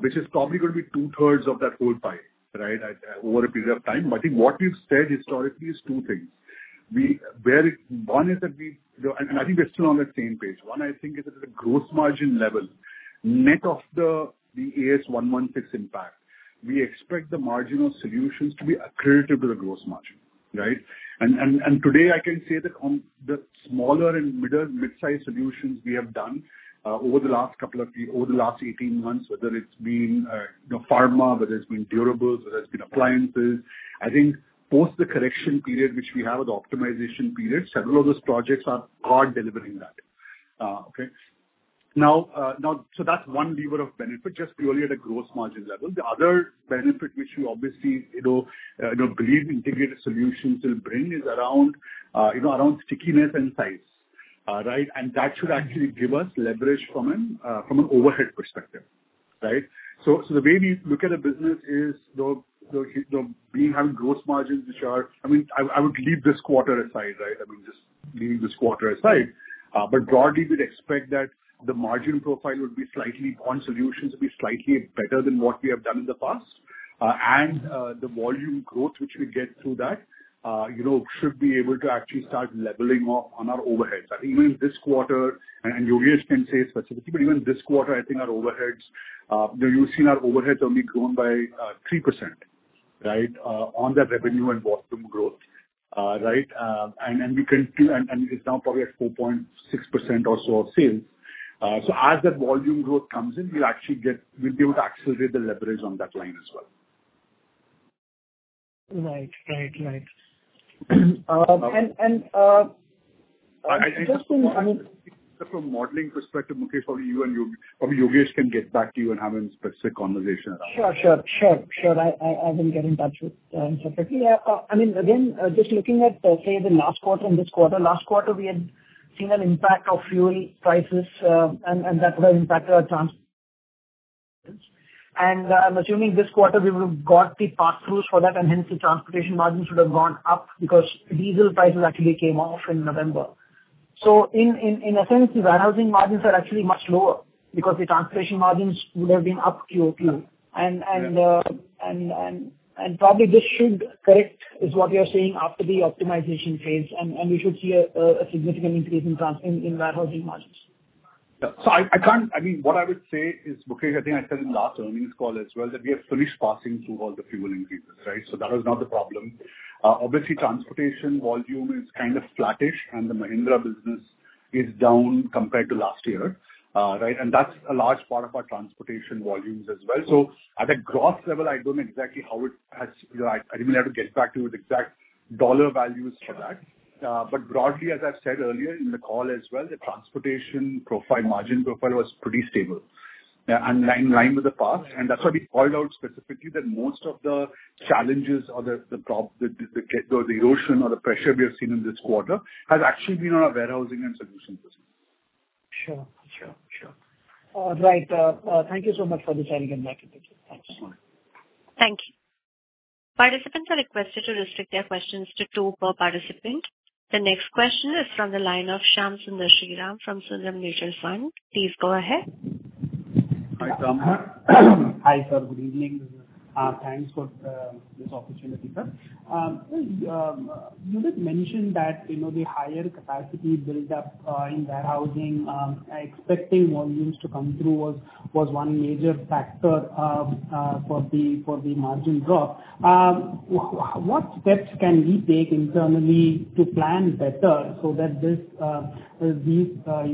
which is probably gonna be two-thirds of that whole pie, right? Over a period of time. I think what we've said historically is two things. Where one is that we you know, and I think we're still on that same page. One, I think is at a gross margin level, net of the Ind AS 116 impact. We expect the margin of solutions to be accretive to the gross margin, right? Today I can say that on the smaller and middle, mid-sized solutions we have done, over the last couple of year, over the last 18 months, whether it's been, you know, pharma, whether it's been durables, whether it's been appliances. I think post the correction period which we have, the optimization period, several of those projects are delivering that. Now, that's one lever of benefit, just purely at a gross margin level. The other benefit which you obviously you know believe integrated solutions will bring is around you know around stickiness and size, right? That should actually give us leverage from an overhead perspective, right? The way we look at a business is the we have gross margins which are. I mean, I would leave this quarter aside, right? I mean, just leave this quarter aside. Broadly we'd expect that the margin profile would be slightly on solutions, be slightly better than what we have done in the past. The volume growth which we get through that, you know, should be able to actually start leveling off on our overheads. I think even this quarter, and Yogesh can say specifically, but even this quarter, I think our overheads, you know, you've seen our overheads only grown by 3%, right? On that revenue and bottom-line growth, right? We can see, and it's now probably at 4.6% or so of sales. As that volume growth comes in, we'll actually be able to accelerate the leverage on that line as well. Right. Just to, I mean. From a modeling perspective, Mukesh, probably you and Yogesh can get back to you and have a specific conversation around that. Sure. I will get in touch with him separately. Yeah, I mean, again, just looking at say the last quarter and this quarter. Last quarter we had seen an impact of fuel prices, and that would impact our transportation. I'm assuming this quarter we would have got the pass-throughs for that, and hence the transportation margins should have gone up because diesel prices actually came off in November. In essence, the warehousing margins are actually much lower because the transportation margins would have been up QOQ. Yeah. Probably this should correct is what you're saying after the optimization phase. We should see a significant increase in warehousing margins. I mean, what I would say is, Mukesh, I think I said in the last earnings call as well that we have finished passing through all the fuel increases, right? That is not the problem. Obviously transportation volume is kind of flattish and the Mahindra business is down compared to last year, right? And that is a large part of our transportation volumes as well. At a gross level, I do not know exactly how it has. I may have to get back to you with exact INR values for that. Broadly, as I have said earlier in the call as well, the transportation profile, margin profile was pretty stable, and in line with the past. That's why we called out specifically that most of the challenges or the action or the pressure we have seen in this quarter has actually been on our warehousing and solutions business. Sure. All right. Thank you so much for the time again, Yeah. Thanks. Sure. Thank you. Participants are requested to restrict their questions to two per participant. The next question is from the line of Shyam Sundar Sriram from Sundaram Mutual Fund. Please go ahead. Hi, Tamanna. Hi, sir. Good evening. Thanks for this opportunity, sir. You did mention that, you know, the higher capacity built up in warehousing, expecting volumes to come through was one major factor for the margin drop. What steps can we take internally to plan better so that these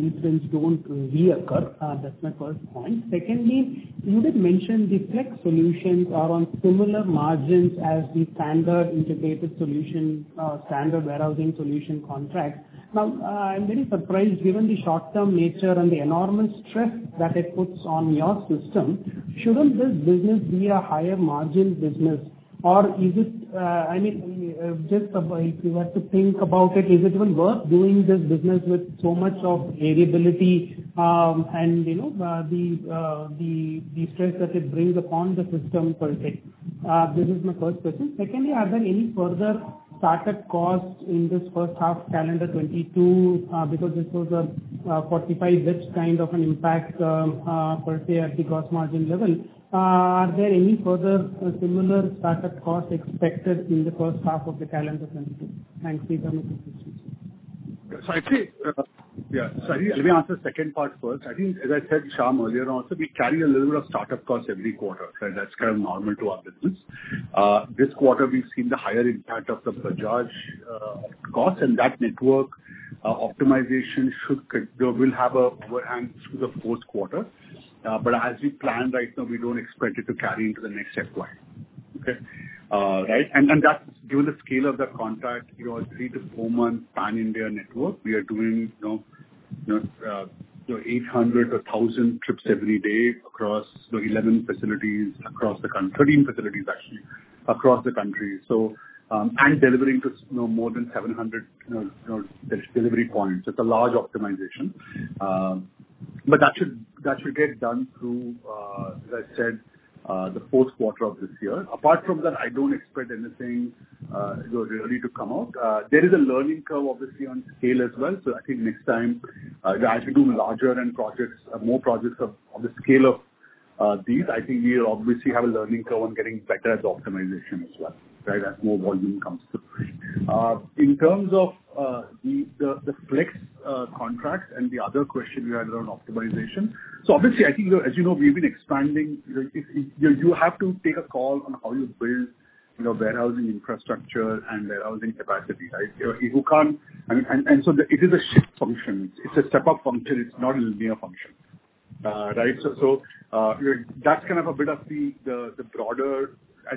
incidents don't reoccur? That's my first point. Secondly, you did mention the flex solutions are on similar margins as the standard integrated solution, standard warehousing solution contract. Now, I'm very surprised given the short-term nature and the enormous stress that it puts on your system. Shouldn't this business be a higher margin business? Or is it... I mean, just if you were to think about it, is it even worth doing this business with so much of variability, and, you know, the stress that it brings upon the system per se? This is my first question. Secondly, are there any further startup costs in this first half calendar 2022? Because this was a 45 bps kind of an impact, per se at the gross margin level. Are there any further similar startup costs expected in the first half of the calendar 2022? Thanks. These are my two questions. I'd say. I think let me answer the second part first. I think as I said, Shyam, earlier on also, we carry a little bit of startup costs every quarter, right? That's kind of normal to our business. This quarter we've seen the higher impact of the Bajaj cost, and that network optimization will have an upper hand through the fourth quarter. As we plan right now, we don't expect it to carry into the next FY. That's given the scale of that contract, you know, a 3-4-month pan-India network. We are doing, you know, 800 or 1,000 trips every day across, you know, 11 facilities across the country. 13 facilities actually across the country. Delivering to, you know, more than 700 delivery points. It's a large optimization. That should get done through, as I said, the fourth quarter of this year. Apart from that, I don't expect anything, you know, really to come out. There is a learning curve obviously on scale as well. I think next time, as we do larger end projects, more projects of, on the scale of, these, I think we'll obviously have a learning curve on getting better at optimization as well, right, as more volume comes through. In terms of the flex contracts and the other question you had around optimization. Obviously, I think, you know, as you know, we've been expanding, you know, it. You have to take a call on how you build, you know, warehousing infrastructure and warehousing capacity, right? It is a shift function. It's a step-up function. It's not a linear function, right?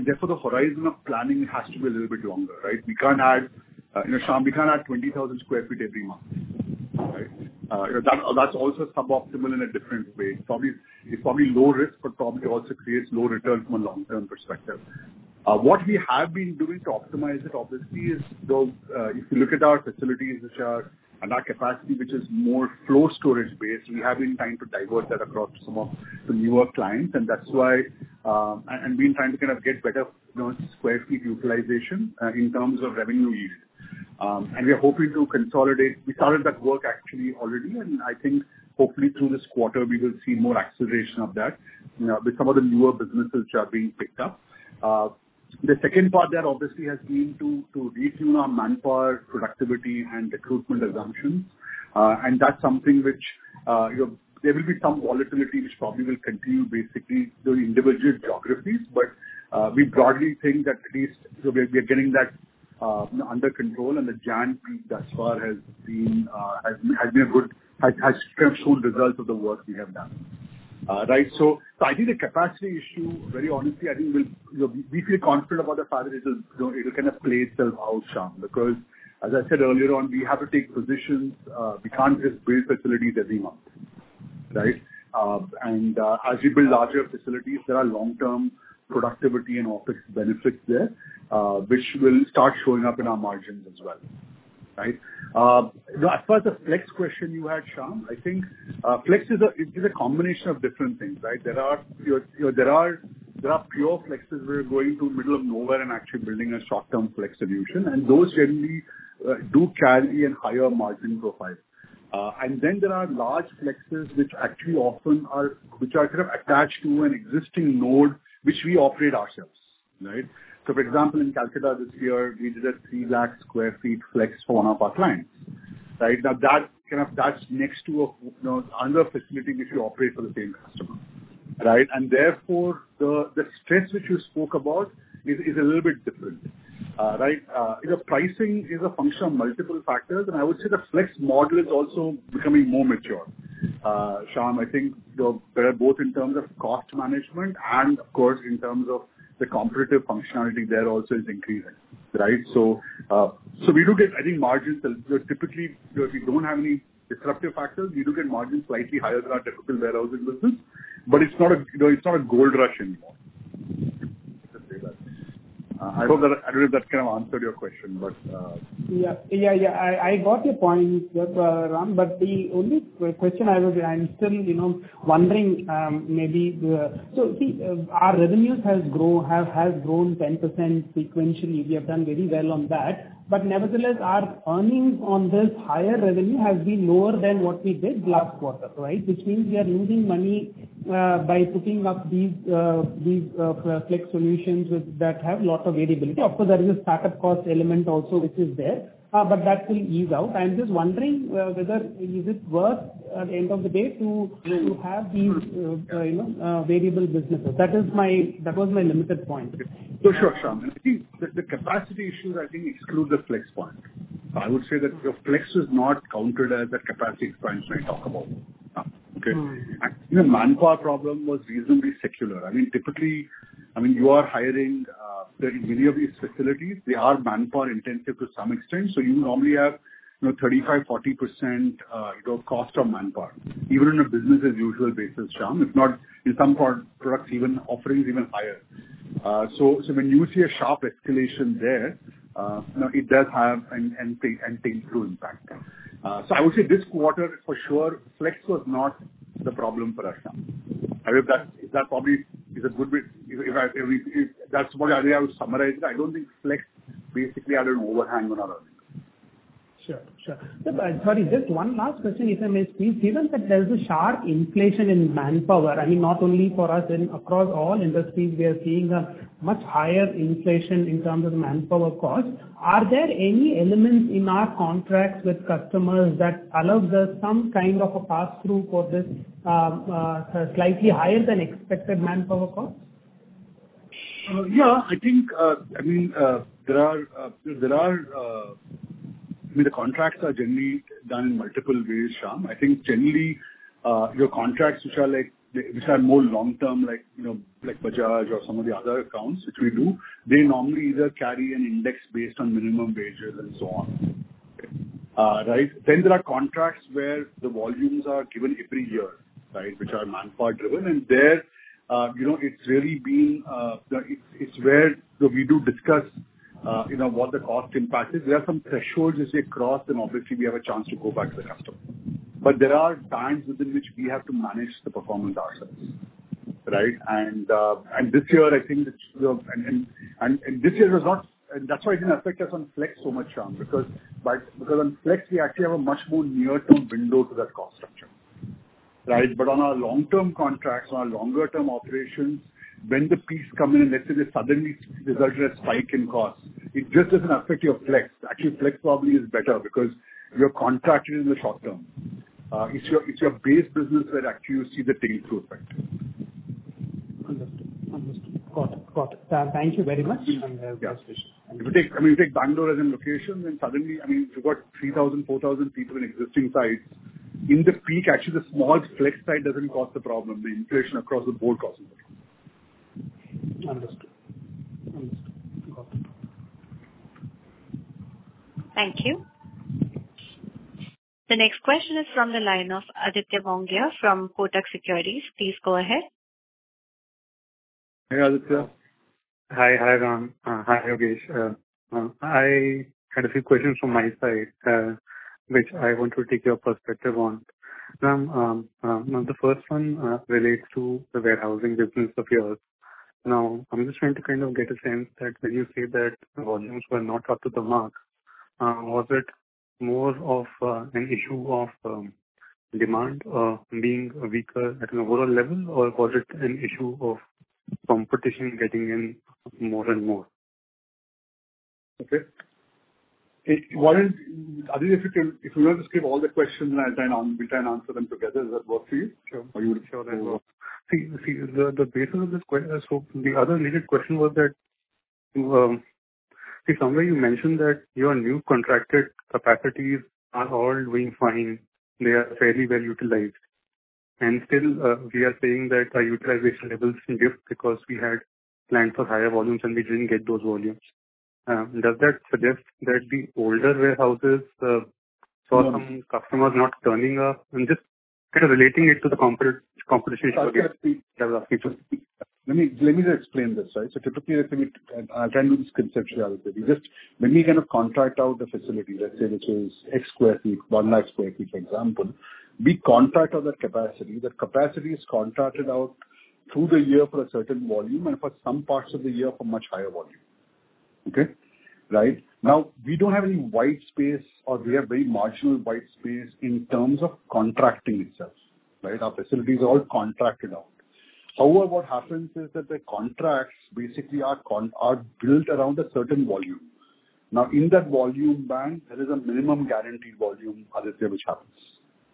Therefore the horizon of planning has to be a little bit longer, right? We can't add, you know, Shyam, 20,000 sq ft every month, right? That's also suboptimal in a different way. It's probably low risk, but probably also creates low return from a long-term perspective. What we have been doing to optimize it obviously is, you know, if you look at our facilities which are Our capacity which is more flow storage based, we have been trying to divert that across some of the newer clients, and that's why we've been trying to kind of get better, you know, square feet utilization in terms of revenue yield. We are hoping to consolidate. We started that work actually already. I think hopefully through this quarter we will see more acceleration of that, you know, with some of the newer businesses which are being picked up. The second part there obviously has been to retune our manpower productivity and recruitment assumptions. That's something which, you know, there will be some volatility which probably will continue basically through individual geographies. We broadly think that at least, you know, we are getting that, you know, under control and the Jan peak thus far has been good, has shown results of the work we have done. Right. I think the capacity issue, very honestly, I think we feel confident about the fact that it'll, you know, kind of play itself out, Shyam. Because as I said earlier on, we have to take positions, we can't just build facilities every month, right? As you build larger facilities, there are long-term productivity and efficiency benefits there, which will start showing up in our margins as well, right? As per the flex question you had, Shyam, I think flex is a combination of different things, right? There are, you know, pure flexes where you're going to middle of nowhere and actually building a short-term flex solution. Those generally do carry a higher margin profile. There are large flexes which are kind of attached to an existing node, which we operate ourselves, right? For example, in Calcutta this year we did a 300,000 sq ft flex for one of our clients, right? Now that kind of touched next to another facility which we operate for the same customer. Right. Therefore, the stress which you spoke about is a little bit different, right? The pricing is a function of multiple factors, and I would say the flex model is also becoming more mature. Shyam, I think we're better both in terms of cost management and of course in terms of the comparative functionality there also is increasing, right? We do get, I think margins that typically, you know, if you don't have any disruptive factors, you do get margins slightly higher than our typical warehousing business. It's not a, you know, it's not a gold rush anymore, let's say that. I hope that. I don't know if that kind of answered your question, but. Yeah, I got your point, Ram. The only question I have is I'm still, you know, wondering. See, our revenues has grown 10% sequentially. We have done very well on that. Nevertheless, our earnings on this higher revenue has been lower than what we did last quarter, right? Which means we are losing money by putting up these flex solutions that have lots of variability. Of course, there is a startup cost element also which is there, but that will ease out. I'm just wondering whether is it worth at the end of the day to have these, you know, variable businesses. That was my limited point. For sure, Shyam. I think the capacity issues exclude the flex point. I would say that your flex is not counted as that capacity expansion I talk about. Okay? The manpower problem was reasonably secular. I mean, typically, I mean, you are hiring very many of these facilities. They are manpower-intensive to some extent, so you normally have, you know, 35%-40% cost of manpower, even in a business as usual basis, Shyam. If not, in some products even offerings even higher. So when you see a sharp escalation there, you know, it does have a tail-through impact. So I would say this quarter for sure, flex was not the problem for us, Shyam. I hope that's probably a good bit, if that's the way I would summarize it. I don't think flex basically had an overhang on our earnings. Sure. Sorry, just one last question, if I may please. Given that there's a sharp inflation in manpower, I mean, not only for us but across all industries we are seeing a much higher inflation in terms of manpower costs. Are there any elements in our contracts with customers that allows us some kind of a passthrough for this, slightly higher than expected manpower costs? Yeah. I think, I mean, the contracts are generally done in multiple ways, Shyam. I think generally, your contracts which are more long-term, like, you know, like Bajaj or some of the other accounts which we do, they normally either carry an index based on minimum wages and so on. Okay? Right? There are contracts where the volumes are given every year, right? Which are manpower driven. There, you know, it's really been, it's where, you know, we do discuss, you know, what the cost impact is. There are some thresholds you cross, then obviously we have a chance to go back to the customer. There are times within which we have to manage the performance ourselves, right? That's why it didn't affect us on flex so much, Shyam. Because on flex we actually have a much more near-term window to that cost structure. Right? On our long-term contracts, on our longer term operations, when the peaks come in and let's say they suddenly result in a spike in costs, it just doesn't affect your flex. Actually, flex probably is better because you're contracted in the short term. It's your base business that actually you see the tail through effect. Understood. Got it. Thank you very much. Yeah. Best wishes. If you take, I mean, you take Bangalore as a location, then suddenly, I mean, you've got 3,000, 4,000 people in existing sites. In the peak actually the small flex side doesn't cause the problem. The inflation across the board causes the problem. Understood. Got it. Thank you. The next question is from the line of Aditya Mongia from Kotak Securities. Please go ahead. Hey, Aditya. Hi. Hi, Ram. Hi, Yogesh. I had a few questions from my side, which I want to take your perspective on. Ram, the first one relates to the warehousing business of yours. Now, I'm just trying to kind of get a sense that when you say that volumes were not up to the mark, was it more of an issue of demand being weaker at an overall level, or was it an issue of competition getting in more and more? Okay. Aditya, if you can, if you want to just give all the questions and we'll try and answer them together. Does that work for you Sure, that works. The other related question was that somewhere you mentioned that your new contracted capacities are all doing fine. They are fairly well utilized. Still, we are saying that our utilization levels dipped because we had planned for higher volumes and we didn't get those volumes. Does that suggest that the older warehouses saw some customers not turning up? I'm just kind of relating it to the competition issue. Let me just explain this. Right? Typically, I think I'll try and do this conceptually. When we kind of contract out the facility, let's say which is X square feet, 1 lakh sq ft, for example, we contract out that capacity. That capacity is contracted out through the year for a certain volume and for some parts of the year for much higher volume. Okay? Right? Now, we don't have any white space or we have very marginal white space in terms of contracting itself. Right? Our facilities are all contracted out. However, what happens is that the contracts basically are built around a certain volume. Now in that volume band, there is a minimum guaranteed volume, Aditya, which happens,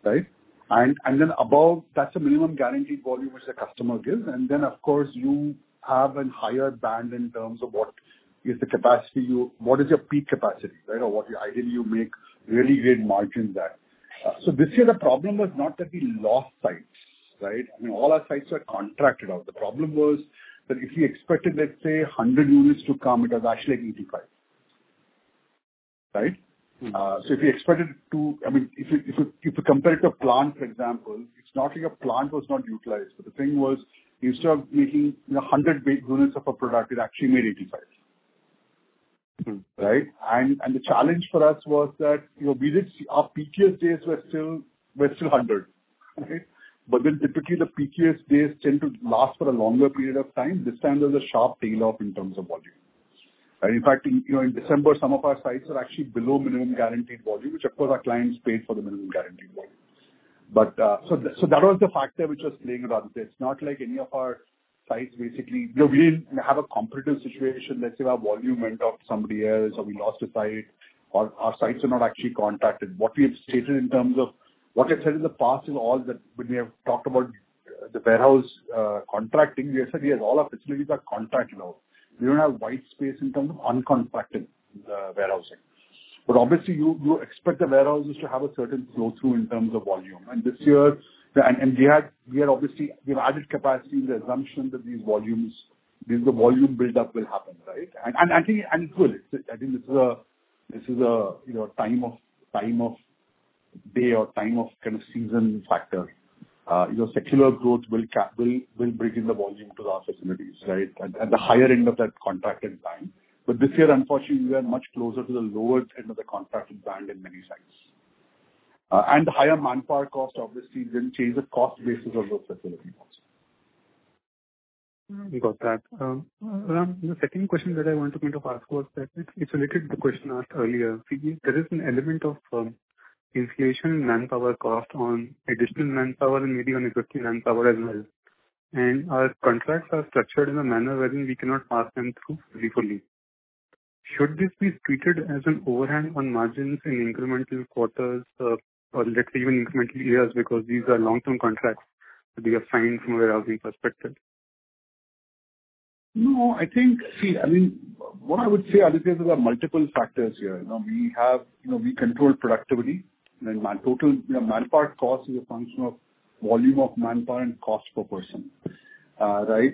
right? Then above... That's the minimum guaranteed volume which the customer gives, and then of course you have a higher band in terms of what is your peak capacity, right? Ideally, you make really great margins there. This year the problem was not that we lost sites, right? I mean, all our sites are contracted out. The problem was that if we expected, let's say, 100 units to come, it was actually 85. Right? If you expect it to, I mean, if you compare it to a plant, for example, it's not like a plant was not utilized. The thing was, instead of making, you know, 100 big units of a product, it actually made 85. Right? The challenge for us was that, you know, we did see our peakiest days were still 100. Okay? Typically, the peakiest days tend to last for a longer period of time. This time there was a sharp tail off in terms of volume. In fact, you know, in December, some of our sites were actually below minimum guaranteed volume, which of course our clients paid for the minimum guaranteed volume. So that was the factor which was playing around this. It's not like any of our sites basically. You know, we didn't have a competitive situation, let's say our volume went off to somebody else or we lost a site. Our sites are not actually contracted. What I've said in the past is all that when we have talked about the warehouse contracting, we have said, yes, all our facilities are contracted out. We don't have white space in terms of uncontracted warehousing. But obviously you expect the warehouses to have a certain flow through in terms of volume. This year we had obviously, you know, added capacity in the assumption that these volumes, the volume buildup will happen, right? I think it will. I think this is a you know time of day or time of kind of season factor. Your secular growth will bring in the volume to our facilities, right? At the higher end of that contracted band. This year, unfortunately, we are much closer to the lower end of the contracted band in many sites. The higher manpower cost obviously didn't change the cost basis of those facilities also. We got that. The second question that I wanted me to ask was that it's related to the question asked earlier. There is an element of inflation in manpower cost on additional manpower and maybe on existing manpower as well. Our contracts are structured in a manner wherein we cannot pass them through fully. Should this be treated as an overhang on margins in incremental quarters or let's say even incremental years because these are long-term contracts that we are signing from a warehousing perspective? No, I think, I mean, what I would say, Aditya, there are multiple factors here. You know, we have, you know, we control productivity. Then man total, you know, manpower cost is a function of volume of manpower and cost per person. Right?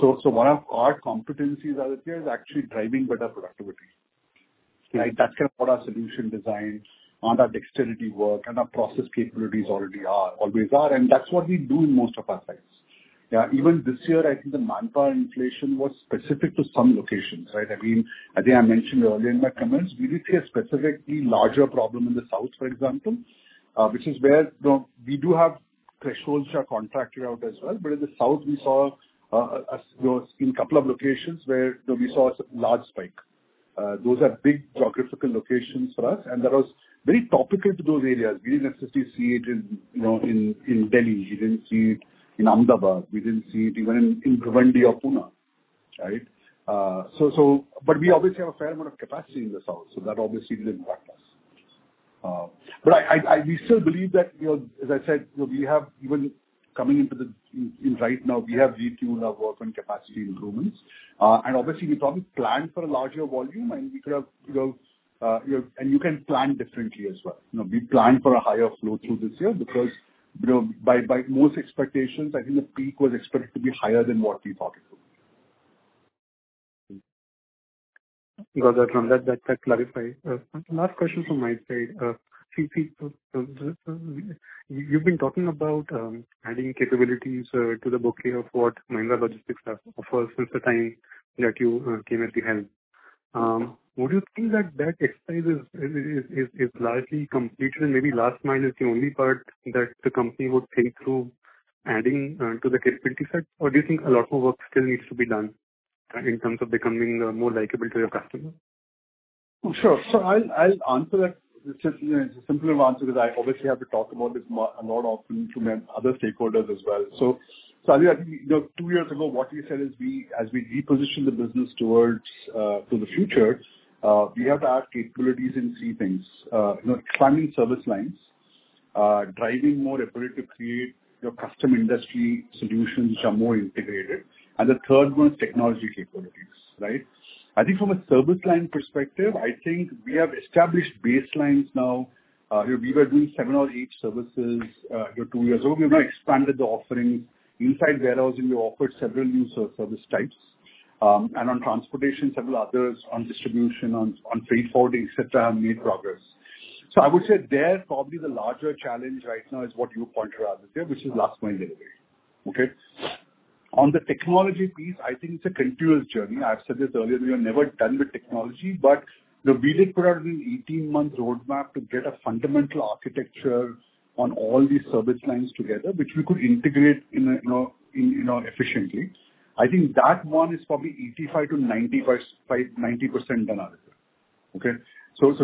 So one of our competencies, Aditya, is actually driving better productivity. Okay. Right? That's kind of what our solution designs on our dexterity work and our process capabilities already are, always are, and that's what we do in most of our sites. Yeah. Even this year, I think the manpower inflation was specific to some locations, right? I mean, I think I mentioned earlier in my comments, we did see a specifically larger problem in the south, for example, which is where, you know, we do have thresholds which are contracted out as well. But in the south we saw, you know, we've seen a couple of locations where, you know, we saw a large spike. Those are big geographical locations for us, and that was very topical to those areas. We didn't necessarily see it in, you know, in Delhi. We didn't see it in Ahmedabad. We didn't see it even in Bhiwandi or Pune, right? We obviously have a fair amount of capacity in the south, so that obviously didn't impact us. We still believe that, you know, as I said, you know, right now we have returned to our work on capacity improvements. We probably planned for a larger volume and we could have, you know, and you can plan differently as well. You know, we planned for a higher flow through this year because, you know, by most expectations, I think the peak was expected to be higher than what we thought it would. Got that. That clarifies. Last question from my side. So you've been talking about adding capabilities to the bouquet of what Mahindra Logistics offers since the time that you came at the helm. Would you think that that exercise is largely completed and maybe last mile is the only part that the company would think through adding to the capability set? Or do you think a lot more work still needs to be done in terms of becoming more likable to your customer? Sure. I'll answer that. It's, you know, a simpler answer because I obviously have to talk about this more often to my other stakeholders as well. Aditya, you know, two years ago what we said is we, as we reposition the business towards the future, we have to add capabilities in three things. You know, expanding service lines, driving more effort to create, you know, custom industry solutions which are more integrated. The third one is technology capabilities, right? I think from a service line perspective, I think we have established baselines now. We were doing seven or eight services, you know, two years ago. We have now expanded the offerings. Inside warehousing we offered several new service types. On transportation, several others on distribution, on freight forwarding, et cetera, have made progress. I would say there probably the larger challenge right now is what you pointed out, Aditya, which is last mile delivery. Okay? On the technology piece, I think it's a continuous journey. I've said this earlier, we are never done with technology. You know, we did put out an 18-month roadmap to get a fundamental architecture on all these service lines together, which we could integrate in a, you know, efficiently. I think that one is probably 85%-90% done, Aditya. Okay?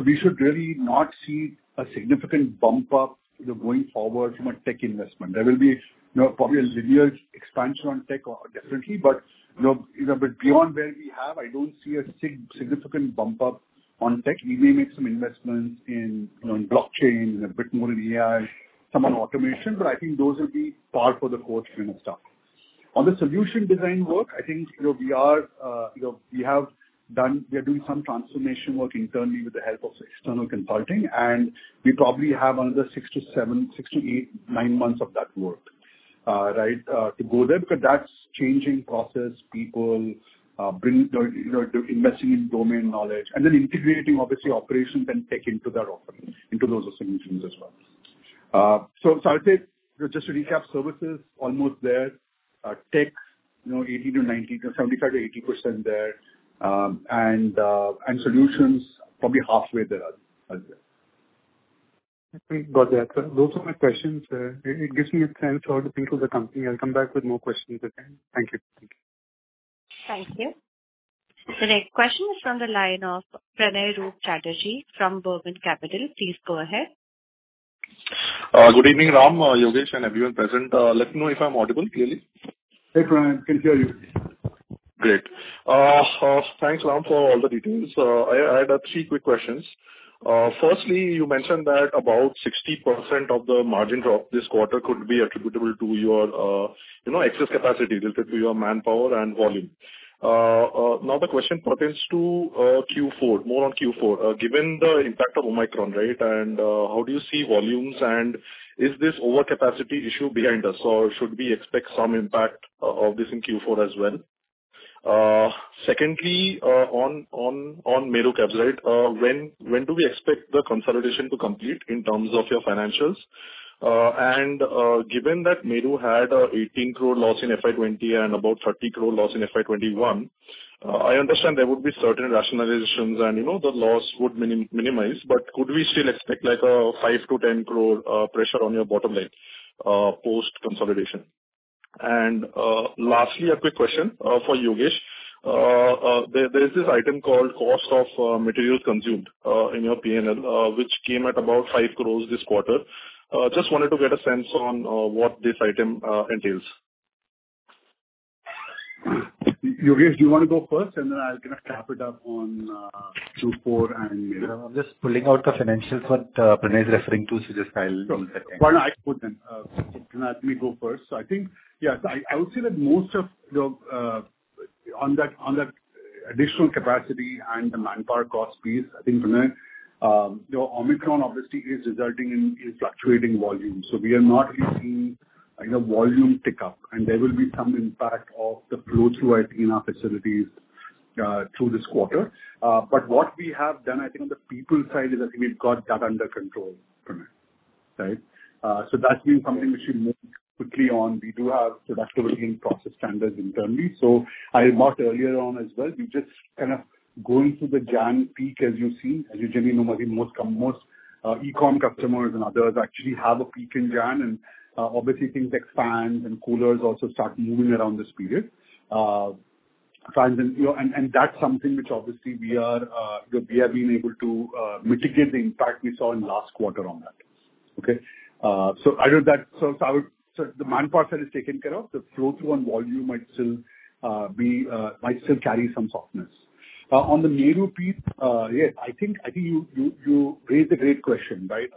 We should really not see a significant bump up, you know, going forward from a tech investment. There will be, you know, probably a linear expansion on tech or differently. you know, but beyond where we have, I don't see a significant bump up on tech. We may make some investments in, you know, blockchain and a bit more in AI, some on automation, but I think those will be par for the course kind of stuff. On the solution design work, I think, you know, we are, you know, we have done—we are doing some transformation work internally with the help of external consulting, and we probably have another 6-9 months of that work, right, to go there because that's changing processes, people, you know, investing in domain knowledge and then integrating obviously operations and tech into that offering, into those solutions as well. I'll say just to recap, services almost there. Tech, you know, 80%-90%, 75%-80% there. Solutions probably halfway there as well. Got that. Those were my questions. It gives me a chance to think through the company. I'll come back with more questions again. Thank you. Thank you. The next question is from the line of Pranay Rupchandani from Burman Capital. Please go ahead. Good evening, Ram, Yogesh, and everyone present. Let me know if I'm audible clearly. Hey, Pranay. I can hear you. Great. Thanks, Ram, for all the details. I had three quick questions. Firstly, you mentioned that about 60% of the margin drop this quarter could be attributable to your, you know, excess capacity related to your manpower and volume. Now the question pertains to Q4. More on Q4. Given the impact of Omicron, right? How do you see volumes, and is this overcapacity issue behind us, or should we expect some impact of this in Q4 as well? Secondly, on Meru Cabs, right? When do we expect the consolidation to complete in terms of your financials? Given that Meru had 18 crore loss in FY 2020 and about 30 crore loss in FY 2021, I understand there would be certain rationalizations and, you know, the loss would minimize, but could we still expect, like, a 5 crore-10 crore pressure on your bottom line post-consolidation? Lastly, a quick question for Yogesh. There's this item called cost of material consumed in your P&L, which came at about 5 crores this quarter. Just wanted to get a sense on what this item entails. Yogesh, do you wanna go first, and then I'll kind of wrap it up on Q4 and Meru. Yeah. I'm just pulling out the financials, what Pranay Rupchandani is referring to, so just I'll Why don't I put them? Let me go first. I think, yes, I would say that most of the, on that additional capacity and the manpower cost piece, I think Pranay, you know, Omicron obviously is resulting in fluctuating volumes. We are not really seeing, you know, volume pickup and there will be some impact of the flow through it in our facilities, through this quarter. What we have done, I think on the people side is I think we've got that under control, Pranay. Right? That's been something which we moved quickly on. We do have production working process standards internally. I remarked earlier on as well, we're just kind of going through the January peak as you see. As you generally know, most e-com customers and others actually have a peak in Jan and obviously things like fans and coolers also start moving around this period. Fans and, you know, that's something which obviously we have been able to mitigate the impact we saw in last quarter on that. Okay? So I heard that. So the manpower side is taken care of. The flow through on volume might still carry some softness. On the Meru piece, yeah, I think you raised a great question, right?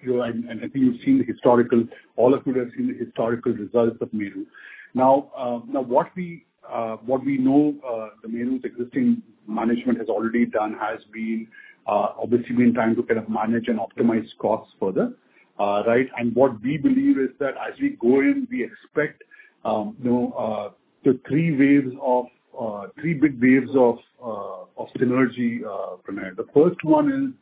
You know, and I think you've seen the historical, all of you would have seen the historical results of Meru. Now, what we know, the Meru's existing management has already done has been obviously trying to kind of manage and optimize costs further. Right? What we believe is that as we go in, we expect you know, the three big waves of synergy, Pranay. The first one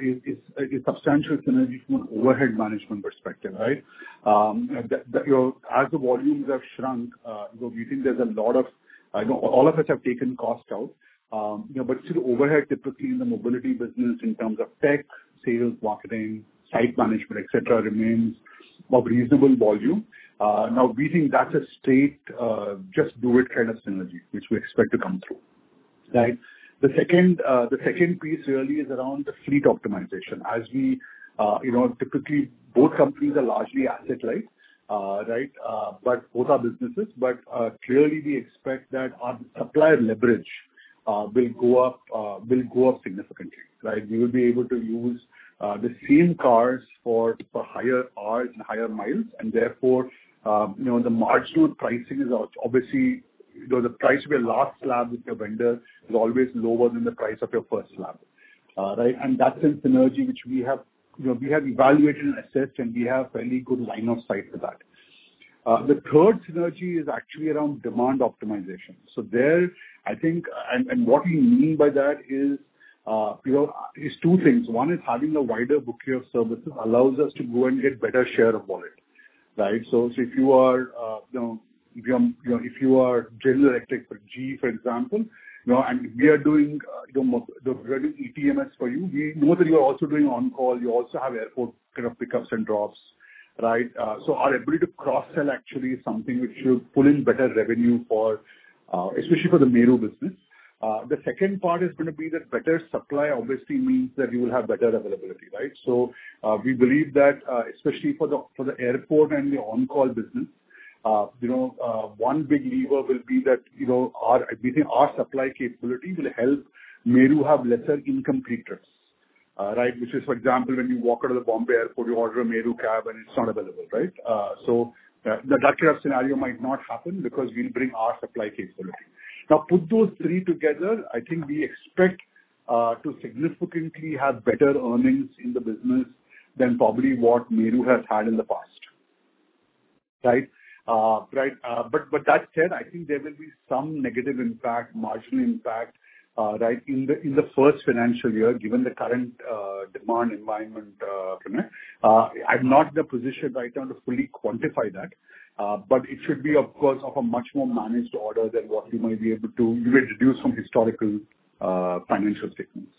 is a substantial synergy from an overhead management perspective, right? You know, as the volumes have shrunk, you know, we think there's a lot of, you know, all of us have taken cost out. You know, but still overhead typically in the mobility business in terms of tech, sales, marketing, site management, et cetera, remains of reasonable volume. Now we think that's a straight, just do it kind of synergy which we expect to come through. Right? The second piece really is around the fleet optimization. As we, you know, typically both companies are largely asset light, right? Both are businesses. Clearly we expect that our supplier leverage will go up significantly, right? We will be able to use the same cars for higher hours and higher miles and therefore, you know, the marginal pricing is obviously, you know, the price of your last slab with your vendor is always lower than the price of your first slab. Right? That's a synergy which we have, you know, we have evaluated and assessed, and we have fairly good line of sight for that. The third synergy is actually around demand optimization. I think what we mean by that is, you know, it's two things. One is having a wider bouquet of services allows us to go and get better share of wallet, right? If you are General Electric or GE, for example, you know, and we are doing the ETMS for you, we know that you are also doing on-call. You also have airport kind of pickups and drops, right? The second part is gonna be that better supply obviously means that you will have better availability, right? We believe that, especially for the airport and the on-call business. You know, one big lever will be that, you know, we think our supply capability will help Meru have lesser incomplete orders, right? Which is, for example, when you walk out of the Bombay airport, you order a Meru cab and it's not available, right? That cab scenario might not happen because we'll bring our supply capability. Now, put those three together, I think we expect to significantly have better earnings in the business than probably what Meru has had in the past, right? Right. But that said, I think there will be some negative impact, marginal impact, right, in the first financial year, given the current demand environment, Pranay. I'm not in the position right now to fully quantify that, but it should be of course of a much more managed order than what you might be able to deduce from historical, financial statements.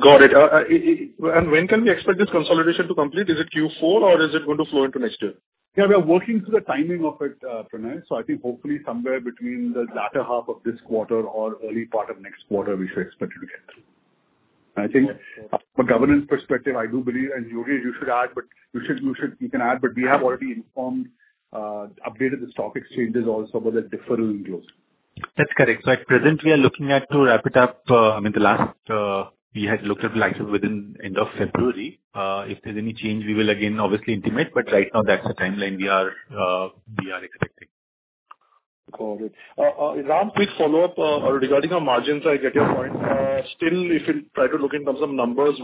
Got it. When can we expect this consolidation to complete? Is it Q4 or is it going to flow into next year? Yeah, we are working through the timing of it, Pranay. I think hopefully somewhere between the latter half of this quarter or early part of next quarter we should expect it to get through. I think from a governance perspective, I do believe, and Yogesh you should add, but you can add, but we have already informed, updated the stock exchanges also about the deferral in close. That's correct. At present we are looking at to wrap it up, I mean, the last, we had looked at like within end of February. If there's any change we will again obviously intimate, but right now that's the timeline we are expecting. Got it. Ram, quick follow-up regarding our margins. I get your point. Still, if you try to look in terms of numbers,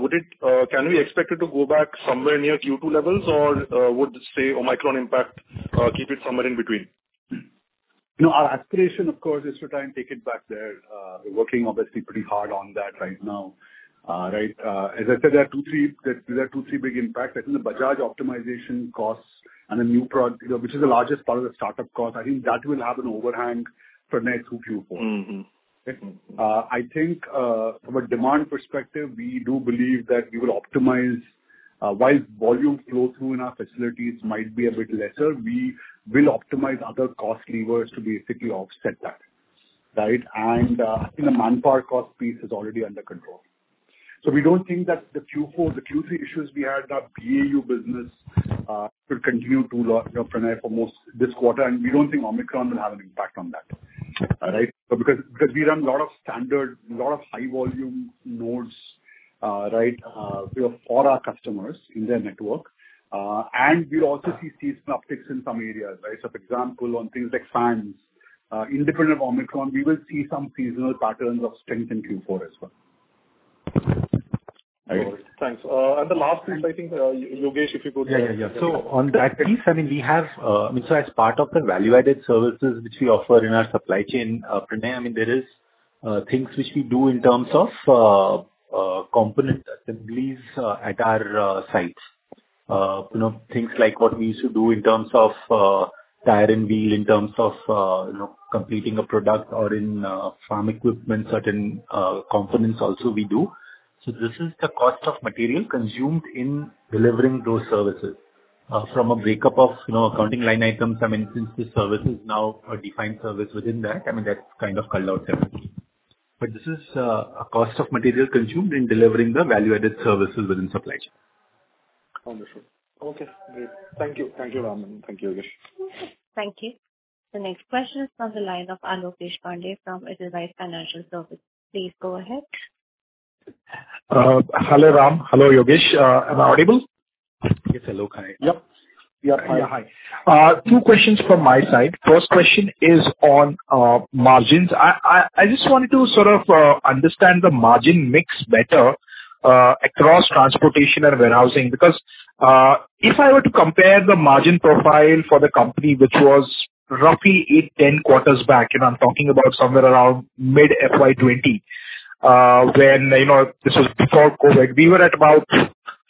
can we expect it to go back somewhere near Q2 levels or would the Omicron impact keep it somewhere in between? No, our aspiration of course is to try and take it back there. We're working obviously pretty hard on that right now. As I said, there are two, three big impacts. I think the Bajaj optimization costs and the new project you know, which is the largest part of the startup cost, I think that will have an overhang for next Q4. I think from a demand perspective, we do believe that we will optimize while volume flow through in our facilities might be a bit lesser. We will optimize other cost levers to basically offset that, right? I think the manpower cost piece is already under control. We don't think that the Q4, the Q3 issues we had, our BAU business will continue too long, you know, Pranay, for most this quarter and we don't think Omicron will have an impact on that. All right? Because we run a lot of standard high volume nodes, right, for our customers in their network. We also see seasonal optics in some areas, right? For example, on things like fans, independent of Omicron, we will see some seasonal patterns of strength in Q4 as well. Right. Thanks. The last piece I think, Yogesh, if you could. Yeah. On that piece, I mean, we have, I mean, as part of the value-added services which we offer in our supply chain, Pranay, I mean, there is things which we do in terms of, component assemblies at our sites. You know, things like what we used to do in terms of, tire and wheel, in terms of, you know, completing a product or in, farm equipment, certain components also we do. This is the cost of material consumed in delivering those services. From a breakup of, you know, accounting line items, I mean, since this service is now a defined service within that, I mean, that's kind of called out separately. This is a cost of material consumed in delivering the value-added services within supply chain. Wonderful. Okay, great. Thank you. Thank you, Ram, and thank you, Yogesh. Thank you. The next question is from the line of Anupesh Pandey from Edelweiss Financial Services. Please go ahead. Hello, Ram. Hello, Yogesh. Am I audible? Yes, hello. Hi. Yep. Yep. Yeah. Hi. Two questions from my side. First question is on margins. I just wanted to sort of understand the margin mix better across transportation and warehousing. Because if I were to compare the margin profile for the company, which was roughly eight to ten quarters back, and I'm talking about somewhere around mid FY 2020, when you know, this was before COVID, we were at about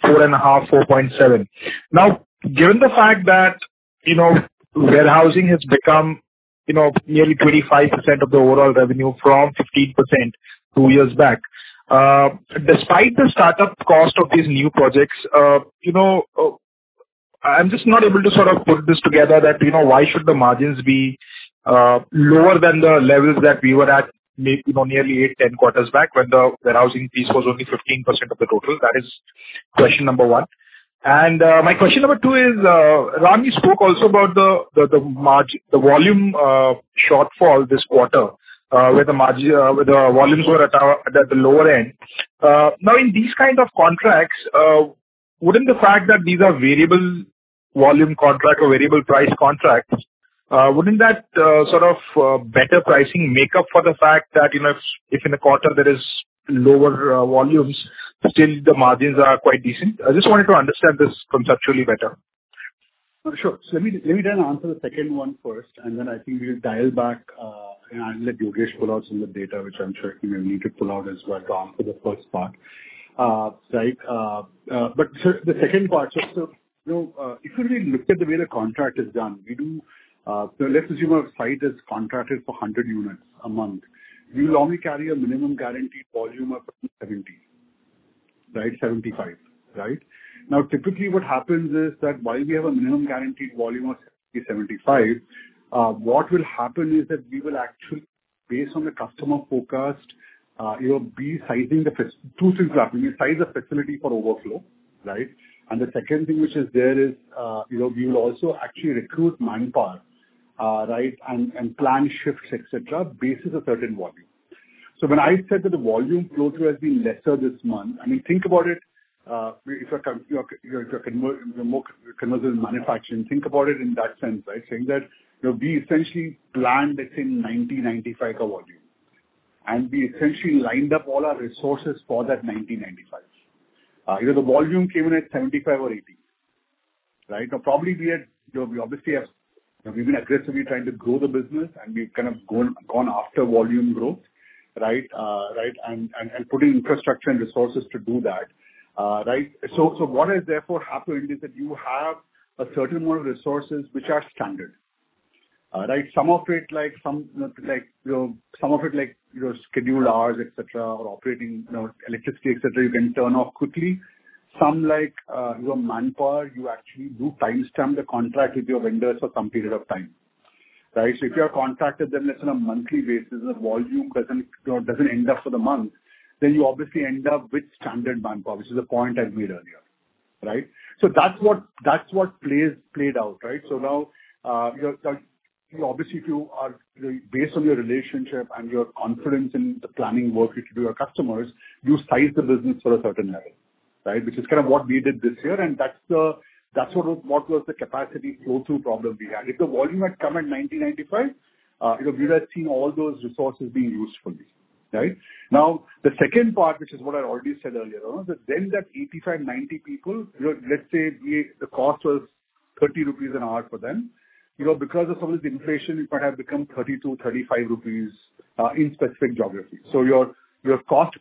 4.5% to 4.7%. Now, given the fact that, you know, warehousing has become, you know, nearly 25% of the overall revenue from 15% two years back, despite the startup cost of these new projects, you know, I'm just not able to sort of put this together that, you know, why should the margins be lower than the levels that we were at, you know, nearly 8 to 10 quarters back when the warehousing piece was only 15% of the total? That is question number 1. My question number 2 is, Ram, you spoke also about the volume shortfall this quarter, where the volumes were at the lower end. Now in these kind of contracts, wouldn't the fact that these are variable volume contract or variable price contracts, wouldn't that, sort of, better pricing make up for the fact that, you know, if in a quarter there is lower volumes, still the margins are quite decent? I just wanted to understand this conceptually better. Sure. Let me then answer the second one first, and then I think we'll dial back and let Yogesh pull out some of the data, which I'm sure he may need to pull out as well to answer the first part. Right. But the second part, you know, if you really looked at the way the contract is done, we do, so let's assume a site is contracted for 100 units a month. We will only carry a minimum guaranteed volume of 75, right? Now, typically what happens is that while we have a minimum guaranteed volume of 75, what will happen is that we will actually, based on the customer forecast, you know, be sizing the facility. Two things happen. You size the facility for overflow, right? The second thing which is there is, you know, we will also actually recruit manpower, right, and plan shifts, et cetera, basis a certain volume. When I said that the volume flow-through has been lesser this month, I mean, think about it, if you're more conversant in manufacturing, think about it in that sense, right? Think that, you know, we essentially planned let's say 1,995 of volume. We essentially lined up all our resources for that 1,995. You know, the volume came in at 75 or 80, right? Probably we had. You know, we obviously have, you know, we've been aggressively trying to grow the business and we've kind of gone after volume growth, right? Right, and putting infrastructure and resources to do that, right? What has therefore happened is that you have a certain amount of resources which are standard, right. Some of it, like, you know, your scheduled hours, et cetera, or operating, you know, electricity, et cetera, you can turn off quickly. Some, like, your manpower, you actually do timestamp the contract with your vendors for some period of time, right? If you have contracted them, let's say, on a monthly basis, the volume doesn't, you know, end up for the month, then you obviously end up with standard manpower, which is the point I'd made earlier, right? That's what played out, right? Now, obviously if you are, you know, based on your relationship and your confidence in the planning work which you do with your customers, you size the business for a certain level, right? Which is kind of what we did this year, and that's what was the capacity flow-through problem we had. If the volume had come at 1,995, you know, we would have seen all those resources being used fully, right? Now, the second part, which is what I already said earlier on, that then that 85-90 people, you know, let's say the cost was 30 rupees an hour for them. You know, because of some of the inflation it might have become 32-35 rupees in specific geographies. Your cost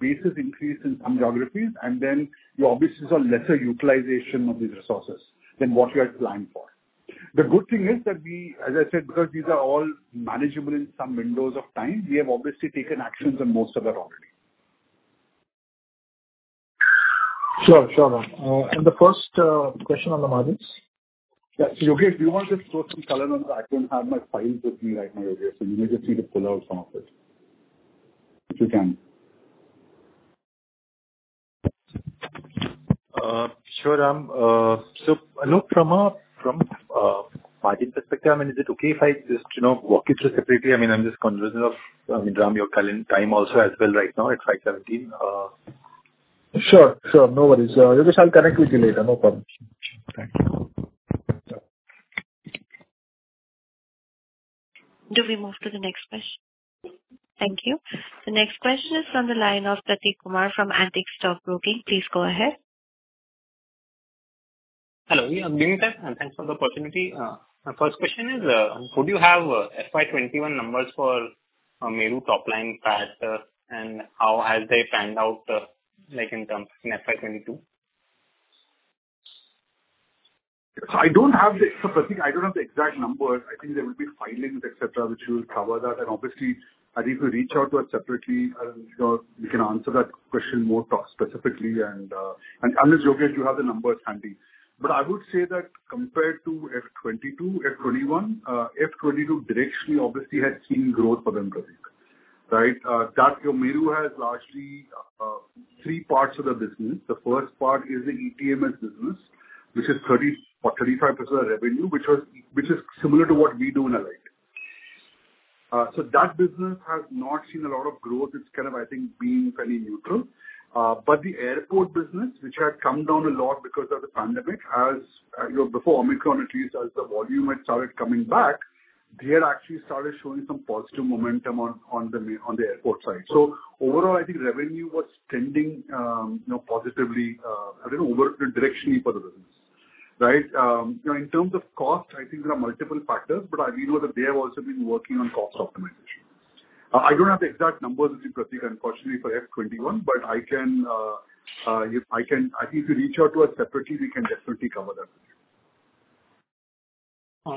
base has increased in some geographies, and then you obviously saw lesser utilization of these resources than what you had planned for. The good thing is that we, as I said, because these are all manageable in some windows of time, we have obviously taken actions on most of that already. Sure. The first question on the margins. Yeah. Yogesh, do you want to go through some color? I don't have my files with me right now, Yogesh, so you may just need to pull out some of it. If you can. I know from a margin perspective, I mean, is it okay if I just, you know, walk you through separately? I mean, I'm just cognizant of, I mean, Ram, your time also as well right now. It's 5:17. Sure. No worries. Yogesh, I'll connect with you later. No problem. Thank you. Do we move to the next question? Thank you. The next question is on the line of Prateek Kumar from Antique Stock Broking. Please go ahead. Hello. Good evening, and thanks for the opportunity. My first question is, would you have FY 2021 numbers for Meru top line PAT, and how have they panned out, like in terms of FY 2022? Prateek, I don't have the exact numbers. I think there will be filings, et cetera, which will cover that. Obviously, I think if you reach out to us separately, you know, we can answer that question more specifically and, unless, Yogesh, you have the numbers handy. I would say that compared to FY 2022, FY 2021, FY 2022 directionally obviously had seen growth for them, Prateek, right? You know, Meru has largely three parts of the business. The first part is the ETMS business, which is 30% or 35% of revenue, which is similar to what we do in Allied. That business has not seen a lot of growth. It's kind of, I think, being fairly neutral. The airport business, which had come down a lot because of the pandemic, has, you know, before Omicron at least, as the volume had started coming back, they had actually started showing some positive momentum on the airport side. Overall, I think revenue was trending, you know, positively, I don't know, directionally for the business, right? You know, in terms of cost, I think there are multiple factors, but I do know that they have also been working on cost optimization. I don't have the exact numbers with me, Prateek, unfortunately for FY 2021. I think if you reach out to us separately, we can definitely cover that with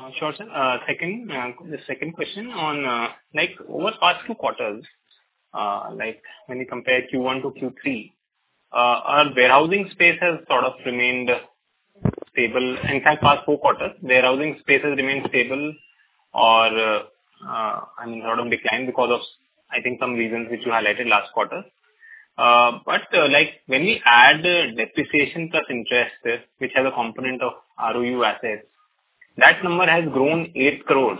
you. Sure, sir. Second, the second question on, like over past 2 quarters, like when you compare Q1 to Q3, our warehousing space has sort of remained stable. In fact, past 4 quarters, warehousing space has remained stable or, I mean, sort of declined because of, I think, some reasons which you highlighted last quarter. Like, when we add the depreciation plus interest, which has a component of ROU assets, that number has grown 8 crore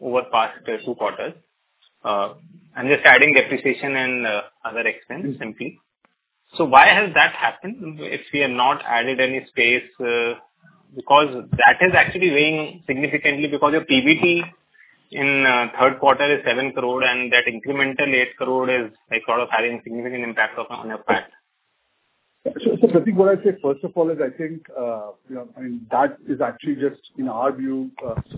over past 2 quarters. I'm just adding depreciation and other expense simply. Why has that happened if we have not added any space? Because that is actually weighing significantly because your PBT in third quarter is 7 crore and that incremental 8 crore is like sort of having significant impact on your PAT. Prateek, what I'd say first of all is I think, you know, I mean, that is actually just in our view,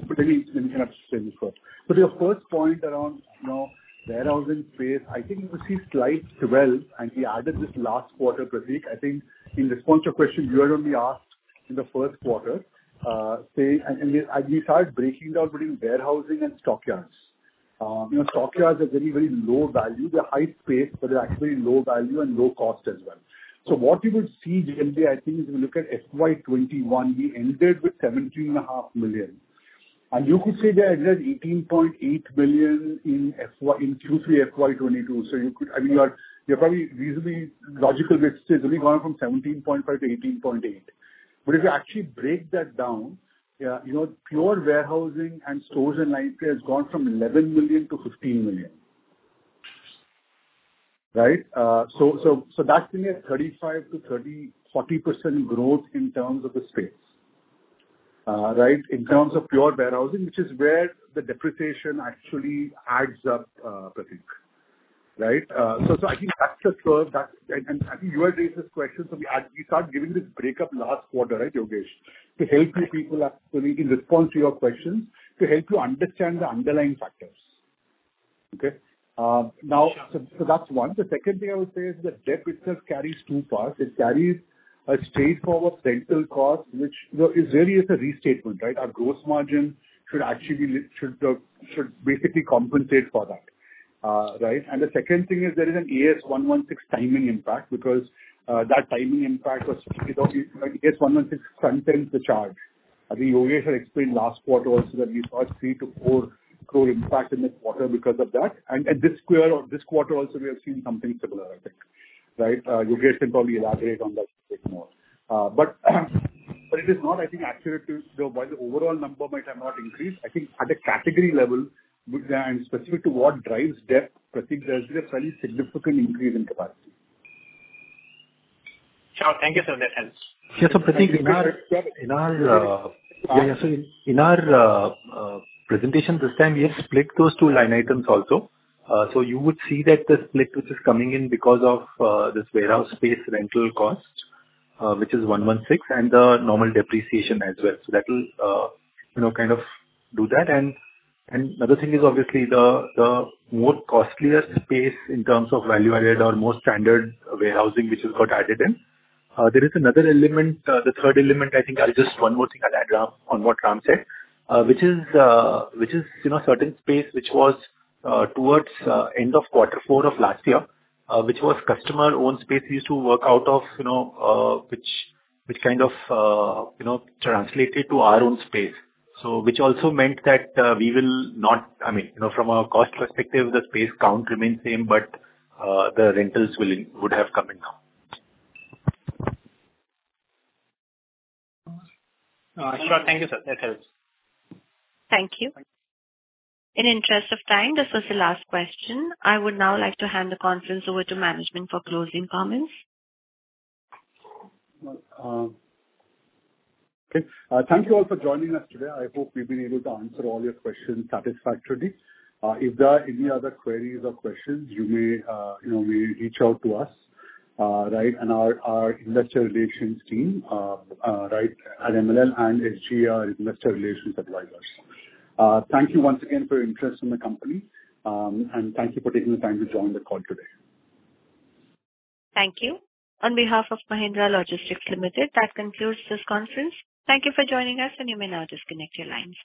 particularly in connection with scope. Your first point around, you know, warehousing space, I think you will see slight swell, and we added this last quarter, Prateek. I think in response to a question you had only asked in the first quarter, say, and we started breaking down between warehousing and stockyards. You know, stockyards are very low value. They're high space, but they're actually low value and low cost as well. What you would see generally, I think, if you look at FY 2021, we ended with 17.5 million. You could say that there's 18.8 million in Q3 FY 2022. I mean, you're probably reasonably logical that it's only gone from 17.5% to 18.8%. If you actually break that down, yeah, you know, pure warehousing and stores and IT has gone from 11 million to 15 million. Right? That's been a 35%-40% growth in terms of the space. Right? In terms of pure warehousing, which is where the depreciation actually adds up, Prateek. Right? I think that's the first. I think you had raised this question, so we start giving this breakup last quarter, right, Yogesh? To help you people, we can respond to your questions, to help you understand the underlying factors. That's one. The second thing I would say is that Dep itself carries two parts. It carries a straightforward rental cost, which is really a restatement, right? Our gross margin should actually basically compensate for that. Right? The second thing is there is an Ind AS 116 timing impact because that timing impact was Ind AS 116 frontends the charge. I think Yogesh had explained last quarter also that we saw a 3 crore to 4 crore impact in this quarter because of that. This quarter also we have seen something similar, I think. Right? Yogesh can probably elaborate on that bit more. But it is not, I think, accurate to You know, while the overall number might have not increased, I think at a category level with and specific to what drives Depesh, Prateek, there has been a fairly significant increase in capacity. Sure. Thank you, sir. That helps. Prateek, in our presentation this time, we have split those two line items also. You would see that the split which is coming in because of this warehouse space rental cost, which is 116 crore, and the normal depreciation as well. That will, you know, kind of do that. Another thing is obviously the more costlier space in terms of value-added or more standard warehousing which has got added in. There is another element, the third element I think, just one more thing I'll add on to what Ram said, which is you know certain space which was towards the end of quarter four of last year, which was customer-owned space we used to work out of, you know, which kind of you know translated to our own space. Which also meant that, I mean, you know, from a cost perspective, the space count remains the same, but the rentals would have come in now. Sure. Thank you, sir. That helps. Thank you. In the interest of time, this was the last question. I would now like to hand the conference over to management for closing comments. Well, okay. Thank you all for joining us today. I hope we've been able to answer all your questions satisfactorily. If there are any other queries or questions, you may, you know, reach out to us, right, and our investor relations team, right, at MLL and SGA Investor Relations Advisors. Thank you once again for your interest in the company, and thank you for taking the time to join the call today. Thank you. On behalf of Mahindra Logistics Limited, that concludes this conference. Thank you for joining us, and you may now disconnect your lines.